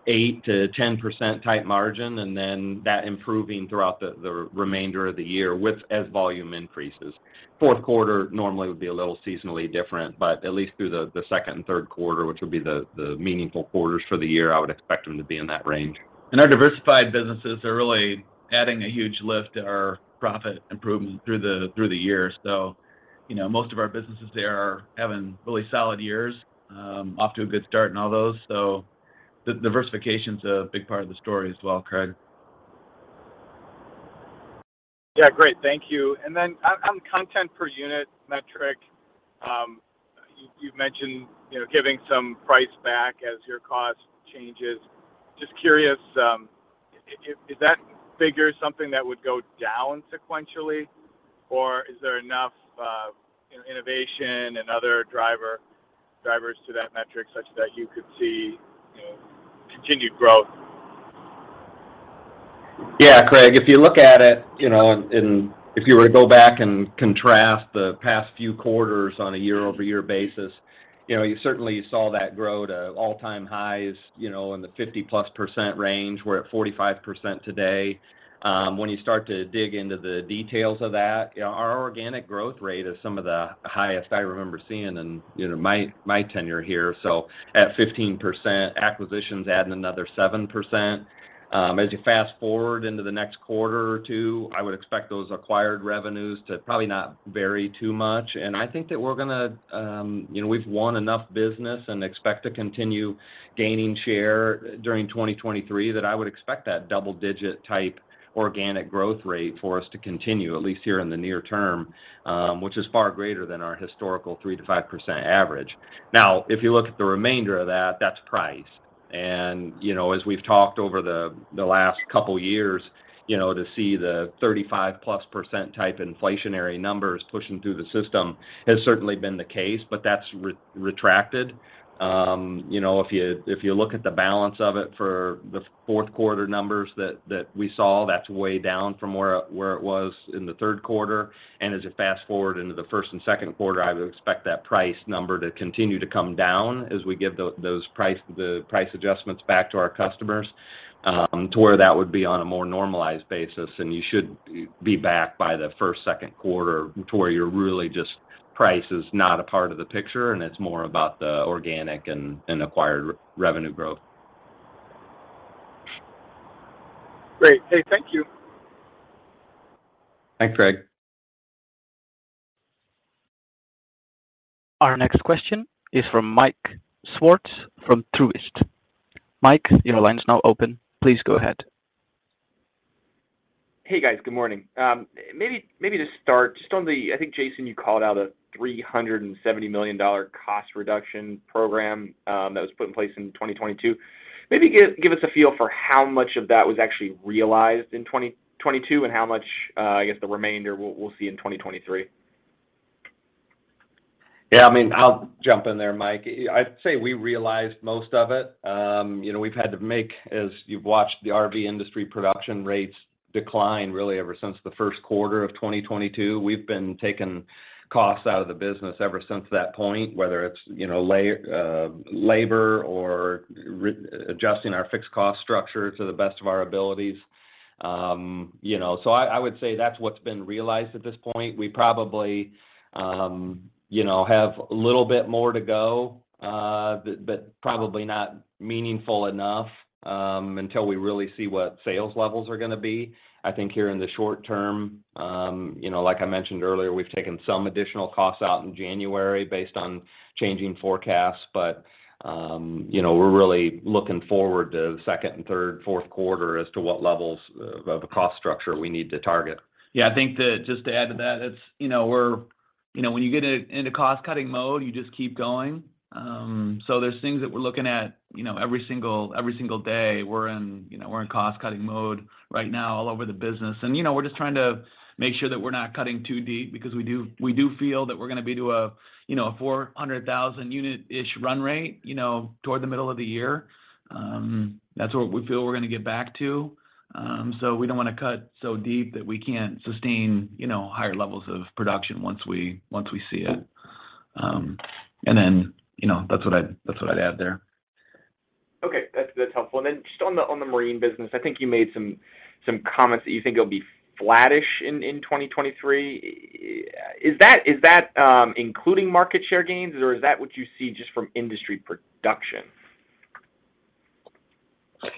8%-10% type margin, and then that improving throughout the remainder of the year with as volume increases. Fourth quarter normally would be a little seasonally different, but at least through the second and third quarter, which would be the meaningful quarters for the year, I would expect them to be in that range. Our diversified businesses are really adding a huge lift to our profit improvement through the year. You know, most of our businesses there are having really solid years, off to a good start and all those. The diversification is a big part of the story as well, Craig. Yeah. Great. Thank you. On content per unit metric, you've mentioned, you know, giving some price back as your cost changes. Just curious, is that figure something that would go down sequentially, or is there enough, you know, innovation and other drivers to that metric such that you could see, you know, continued growth? Yeah, Craig. If you look at it, you know, and if you were to go back and contrast the past few quarters on a year-over-year basis, you know, you certainly saw that grow to all-time highs, you know, in the 50+% range. We're at 45% today. When you start to dig into the details of that, our organic growth rate is some of the highest I remember seeing in, you know, my tenure here. So at 15%, acquisitions adding another 7%. As you fast-forward into the next quarter or two, I would expect those acquired revenues to probably not vary too much. I think that we're going to, you know, we've won enough business and expect to continue gaining share during 2023 that I would expect that double-digit type organic growth rate for us to continue, at least here in the near term, which is far greater than our historical 3%-5% average. If you look at the remainder of that's price. You know, as we've talked over the last couple years, you know, to see the 35%+ type inflationary numbers pushing through the system has certainly been the case, but that's retracted. You know, if you look at the balance of it for the fourth quarter numbers that we saw, that's way down from where it was in the third quarter. As you fast-forward into the first and second quarter, I would expect that price number to continue to come down as we give those price, the price adjustments back to our customers, to where that would be on a more normalized basis. You should be back by the first, second quarter to where you're really just price is not a part of the picture, and it's more about the organic and acquired revenue growth. Great. Hey, thank you. Thanks, Craig. Our next question is from Mike Swartz from Truist. Mike, your line is now open. Please go ahead. Hey, guys. Good morning. Maybe to start, I think, Jason, you called out a $370 million cost reduction program that was put in place in 2022. Maybe give us a feel for how much of that was actually realized in 2022 and how much, I guess, the remainder we'll see in 2023. Yeah, I mean, I'll jump in there, Mike. I'd say we realized most of it. You know, we've had to make, as you've watched the RV industry production rates decline really ever since the first quarter of 2022, we've been taking costs out of the business ever since that point, whether it's, you know, labor or adjusting our fixed cost structure to the best of our abilities. You know, I would say that's what's been realized at this point. We probably, you know, have a little bit more to go, but probably not meaningful enough until we really see what sales levels are gonna be. I think here in the short term, you know, like I mentioned earlier, we've taken some additional costs out in January based on changing forecasts. you know, we're really looking forward to the second and third, fourth quarter as to what levels of a cost structure we need to target. Yeah, I think to just to add to that, it's, you know, we're. You know, when you get into cost cutting mode, you just keep going. There's things that we're looking at, you know, every single day. We're in, you know, cost cutting mode right now all over the business. You know, we're just trying to make sure that we're not cutting too deep because we do feel that we're gonna be to a, you know, a 400,000 unit-ish run rate, you know, toward the middle of the year. That's what we feel we're gonna get back to. We don't wanna cut so deep that we can't sustain, you know, higher levels of production once we see it. You know, that's what I'd add there. Okay. That's, that's helpful. Then just on the marine business, I think you made some comments that you think it'll be flattish in 2023. Is that including market share gains, or is that what you see just from industry production?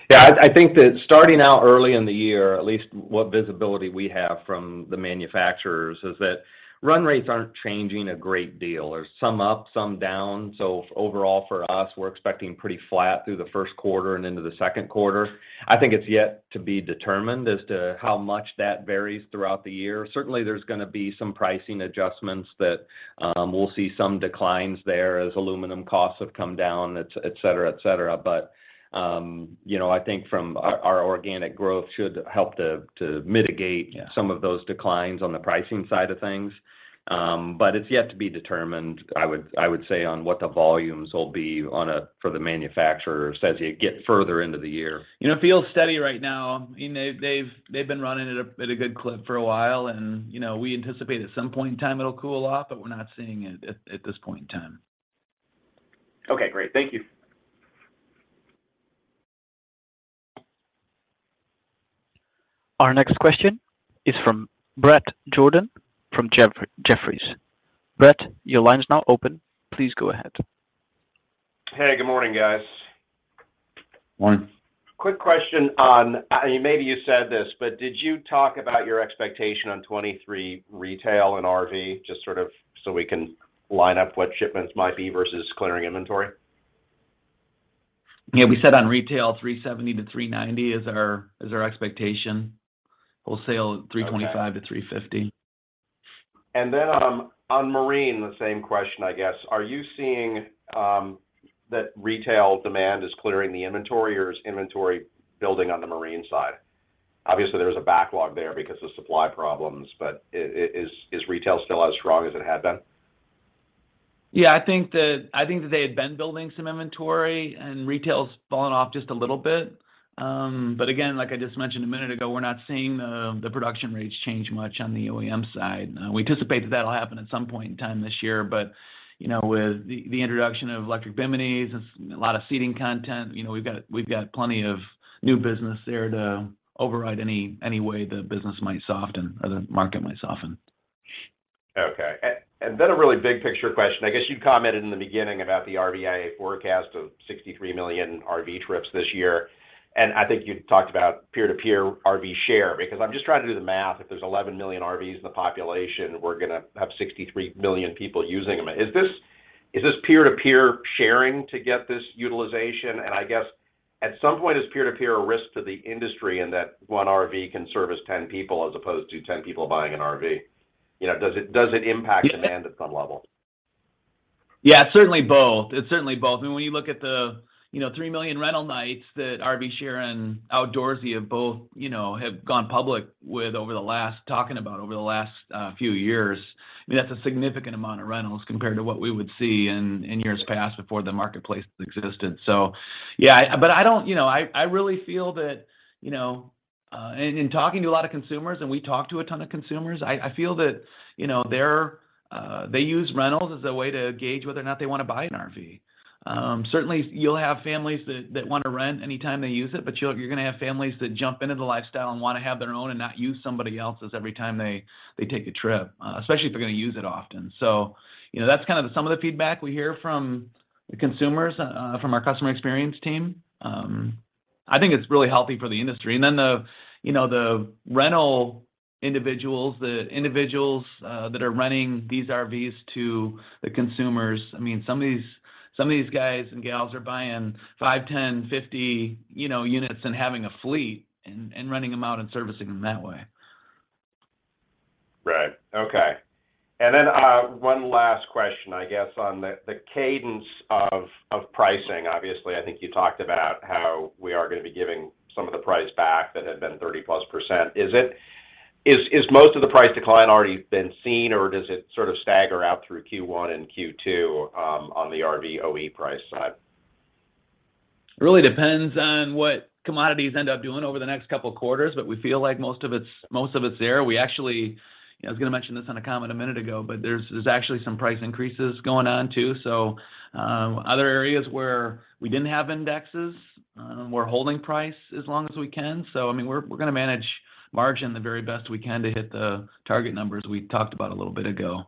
Yeah. I think that starting out early in the year, at least what visibility we have from the manufacturers, is that run rates aren't changing a great deal. There's some up, some down. Overall for us, we're expecting pretty flat through the first quarter and into the second quarter. I think it's yet to be determined as to how much that varies throughout the year. Certainly, there's gonna be some pricing adjustments that we'll see some declines there as aluminum costs have come down, et cetera, et cetera. You know, I think from our organic growth should help to mitigate- Yeah... some of those declines on the pricing side of things. It's yet to be determined, I would say, on what the volumes will be for the manufacturers as you get further into the year. You know, feels steady right now. I mean, they've been running at a good clip for a while and, you know, we anticipate at some point in time it'll cool off, but we're not seeing it at this point in time. Okay, great. Thank you. Our next question is from Bret Jordan from Jefferies. Brett, your line is now open. Please go ahead. Hey, good morning, guys. Morning. Quick question on, and maybe you said this, but did you talk about your expectation on 2023 retail and RV, just sort of so we can line up what shipments might be versus clearing inventory? Yeah, we said on retail, 370-390 is our expectation. Wholesale, 325-350. Okay. On marine, the same question, I guess. Are you seeing that retail demand is clearing the inventory, or is inventory building on the marine side? Obviously, there was a backlog there because of supply problems, is retail still as strong as it had been? Yeah, I think that they had been building some inventory, and retail's fallen off just a little bit. Again, like I just mentioned a minute ago, we're not seeing the production rates change much on the OEM side. We anticipate that that'll happen at some point in time this year. You know, with the introduction of electric biminis and a lot of seating content, you know, we've got plenty of new business there to override any way the business might soften or the market might soften. Okay. A really big picture question. I guess you commented in the beginning about the RVIA forecast of 63 million RV trips this year, and I think you talked about peer-to-peer RV share. I'm just trying to do the math. If there's 11 million RVs in the population, we're gonna have 63 million people using them. Is this peer-to-peer sharing to get this utilization? I guess at some point, is peer-to-peer a risk to the industry in that one RV can service 10 people as opposed to 10 people buying an RV? You know, does it impact demand at some level? Yeah, certainly both. It's certainly both. I mean, when you look at the, you know, 3 million rental nights that RVshare and Outdoorsy have both, you know, have gone public with over the last few years, I mean, that's a significant amount of rentals compared to what we would see in years past before the marketplace existed. Yeah. I don't... You know, I really feel that, you know, in talking to a lot of consumers, and we talk to a ton of consumers, I feel that, you know, they use rentals as a way to gauge whether or not they want to buy an RV. Certainly you'll have families that want to rent anytime they use it, but you're gonna have families that jump into the lifestyle and wanna have their own and not use somebody else's every time they take a trip, especially if they're gonna use it often. You know, that's kind of some of the feedback we hear from the consumers, from our customer experience team. I think it's really healthy for the industry. The, you know, the rental individuals, the individuals, that are renting these RVs to the consumers. I mean, some of these guys and gals are buying five, 10, 50, you know, units and having a fleet and renting them out and servicing them that way. Right. Okay. One last question, I guess, on the cadence of pricing. Obviously, I think you talked about how we are gonna be giving some of the price back that had been 30%+. Is most of the price decline already been seen, or does it sort of stagger out through Q1 and Q2, on the RV OE price side? It really depends on what commodities end up doing over the next couple of quarters, but we feel like most of it's there. You know, I was gonna mention this on a comment a minute ago, but there's actually some price increases going on, too. Other areas where we didn't have indexes, we're holding price as long as we can. I mean, we're gonna manage margin the very best we can to hit the target numbers we talked about a little bit ago,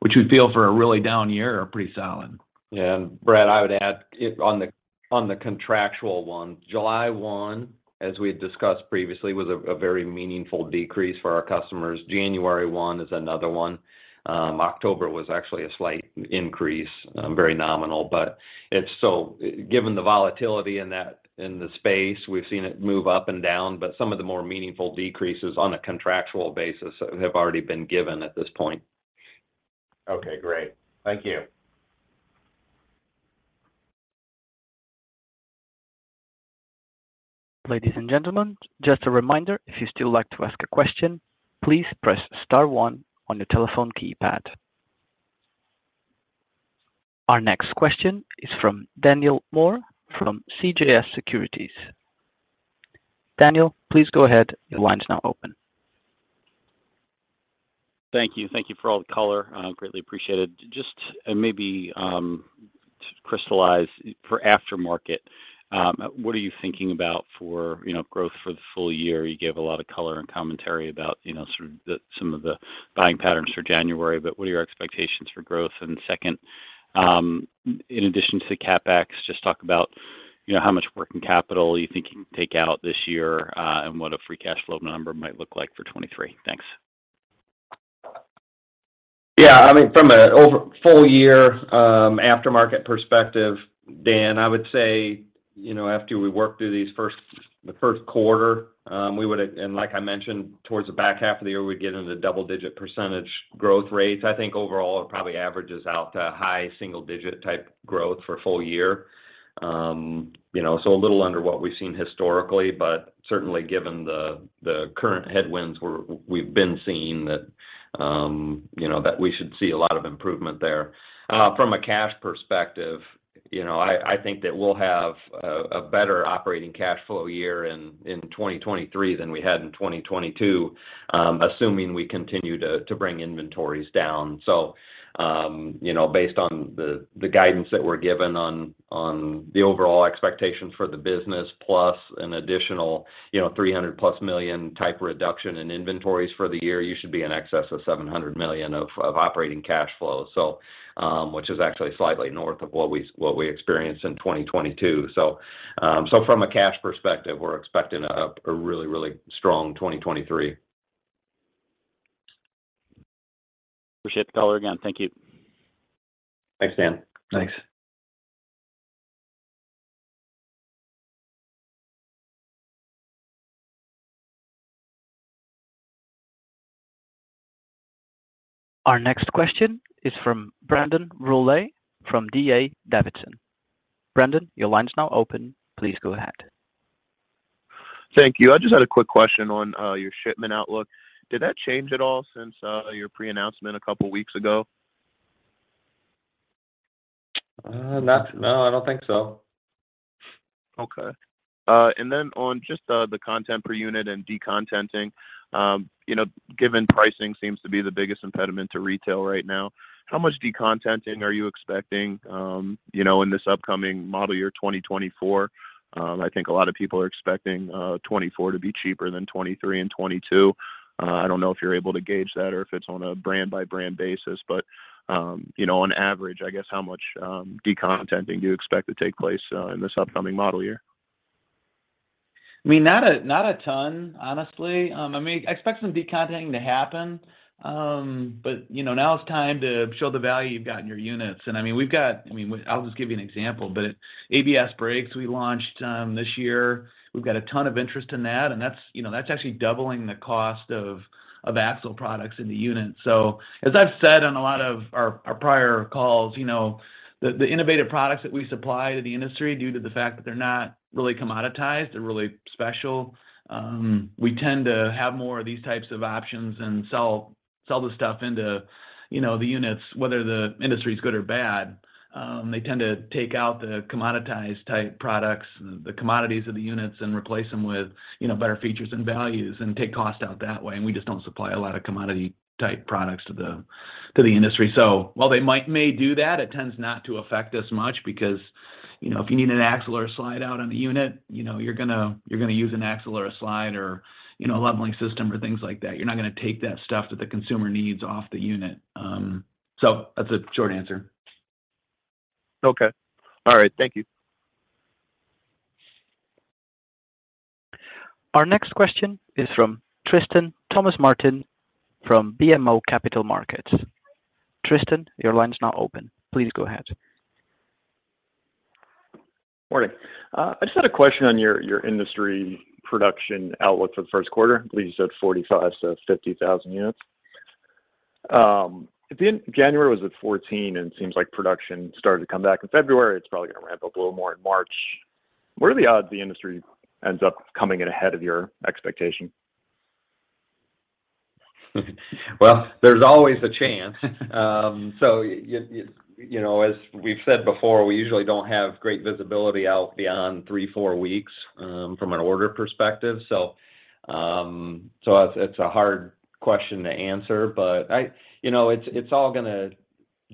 which we feel for a really down year are pretty solid. Yeah. Brad, I would add it on the, on the contractual one. July 1, as we had discussed previously, was a very meaningful decrease for our customers. January 1 is another one. October was actually a slight increase, very nominal. Given the volatility in the space, we've seen it move up and down, but some of the more meaningful decreases on a contractual basis have already been given at this point. Okay, great. Thank you. Ladies and gentlemen, just a reminder, if you'd still like to ask a question, please press star one on your telephone keypad. Our next question is from Daniel Moore from CJS Securities. Daniel, please go ahead. Your line is now open. Thank you. Thank you for all the color. Greatly appreciated. Just maybe, to crystallize for aftermarket, what are you thinking about for, you know, growth for the full year? You gave a lot of color and commentary about, you know, sort of the, some of the buying patterns for January, but what are your expectations for growth? Second, in addition to the CapEx, just talk about, you know, how much working capital you think you can take out this year, and what a free cash flow number might look like for 2023. Thanks. Yeah, I mean, from a over full year, aftermarket perspective, Dan, I would say, you know, after we work through these first, the first quarter, Like I mentioned, towards the back half of the year, we'd get into the double-digit % growth rates. I think overall it probably averages out to high single-digit type growth for full year. You know, so a little under what we've seen historically, but certainly given the current headwinds we're, we've been seeing that, you know, that we should see a lot of improvement there. From a cash perspective, you know, I think that we'll have a better operating cash flow year in 2023 than we had in 2022, assuming we continue to bring inventories down. Based on the guidance that we're given on the overall expectations for the business, plus an additional $300+ million type reduction in inventories for the year, you should be in excess of $700 million operating cash flow. Which is actually slightly north of what we experienced in 2022. From a cash perspective, we're expecting a really strong 2023. Appreciate the color again. Thank you. Thanks, Dan. Thanks. Our next question is from Brandon Rollé from D.A. Davidson. Brandon, your line is now open. Please go ahead. Thank you. I just had a quick question on your shipment outlook. Did that change at all since your pre-announcement a couple weeks ago? No, I don't think so. Okay. On just the content per unit and decontenting, you know, given pricing seems to be the biggest impediment to retail right now, how much decontenting are you expecting, you know, in this upcoming model year 2024? I think a lot of people are expecting, 2024 to be cheaper than 2023 and 2022. I don't know if you're able to gauge that or if it's on a brand-by-brand basis. You know, on average, I guess, how much, decontenting do you expect to take place, in this upcoming model year? I mean, not a ton, honestly. I mean, I expect some decontenting to happen. You know, now it's time to show the value you've got in your units. I mean, we've got. I mean, I'll just give you an example. ABS Brakes we launched this year. We've got a ton of interest in that, and that's, you know, that's actually doubling the cost of axle products in the unit. As I've said on a lot of our prior calls, you know, the innovative products that we supply to the industry, due to the fact that they're not really commoditized, they're really special, we tend to have more of these types of options and sell the stuff into, you know, the units, whether the industry is good or bad. They tend to take out the commoditized type products, the commodities of the units and replace them with, you know, better features and values and take cost out that way. We just don't supply a lot of commodity type products to the industry. While they may do that, it tends not to affect us much because, you know, if you need an axle or a slide out on a unit, you know, you're gonna use an axle or a slide or, you know, a leveling system or things like that. You're not gonna take that stuff that the consumer needs off the unit. That's a short answer. Okay. All right. Thank you. Our next question is from Tristan Thomas-Martin from BMO Capital Markets. Tristan, your line is now open. Please go ahead. Morning. I just had a question on your industry production outlook for the first quarter. I believe you said 45,000-50,000 units. January was at 14,000 units. It seems like production started to come back in February. It's probably gonna ramp up a little more in March. What are the odds the industry ends up coming in ahead of your expectation? Well, there's always a chance. You know, as we've said before, we usually don't have great visibility out beyond three, four weeks from an order perspective. It's, it's a hard question to answer. But you know, it's all gonna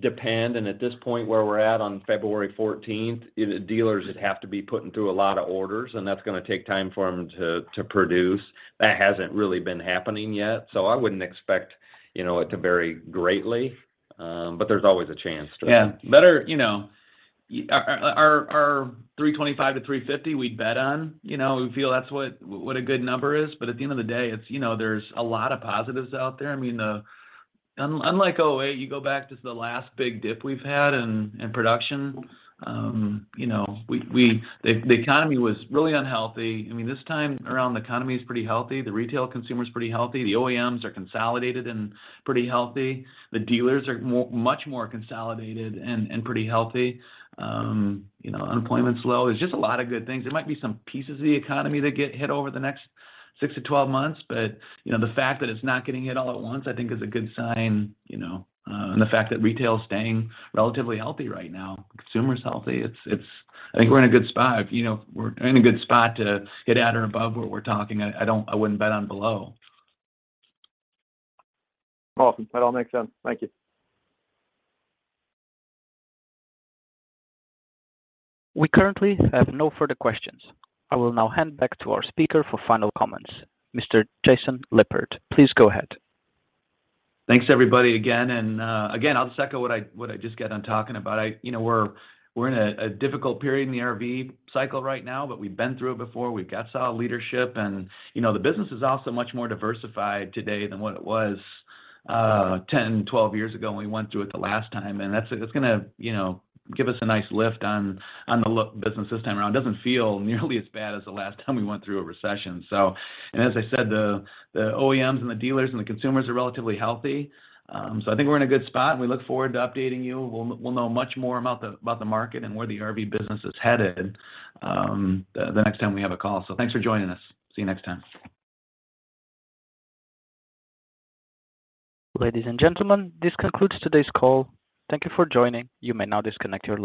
depend. At this point where we're at on February 14th, the dealers would have to be putting through a lot of orders, and that's gonna take time for them to produce. That hasn't really been happening yet, so I wouldn't expect, you know, it to vary greatly. There's always a chance to. Yeah. Better, you know, our 325-350, we'd bet on. You know, we feel that's what a good number is. But at the end of the day, it's, you know, there's a lot of positives out there. I mean, unlike 2008, you go back to the last big dip we've had in production, you know, the economy was really unhealthy. I mean, this time around, the economy is pretty healthy. The retail consumer is pretty healthy. The OEMs are consolidated and pretty healthy. The dealers are much more consolidated and pretty healthy. You know, unemployment's low. There's just a lot of good things. There might be some pieces of the economy that get hit over the next six to 12 months, but, you know, the fact that it's not getting hit all at once, I think is a good sign, you know. The fact that retail is staying relatively healthy right now, consumer is healthy. I think we're in a good spot. You know, we're in a good spot to get at or above where we're talking. I don't. I wouldn't bet on below. Awesome. That all makes sense. Thank you. We currently have no further questions. I will now hand back to our speaker for final comments. Mr. Jason Lippert, please go ahead. Thanks everybody again. Again, I'll just echo what I just got on talking about. you know, we're in a difficult period in the RV cycle right now, but we've been through it before. We've got solid leadership. you know, the business is also much more diversified today than what it was 10, 12 years ago when we went through it the last time. that's, it's gonna, you know, give us a nice lift on the business this time around. It doesn't feel nearly as bad as the last time we went through a recession. as I said, the OEMs and the dealers and the consumers are relatively healthy. I think we're in a good spot, and we look forward to updating you. We'll know much more about the market and where the RV business is headed, the next time we have a call. Thanks for joining us. See you next time. Ladies and gentlemen, this concludes today's call. Thank you for joining. You may now disconnect your line.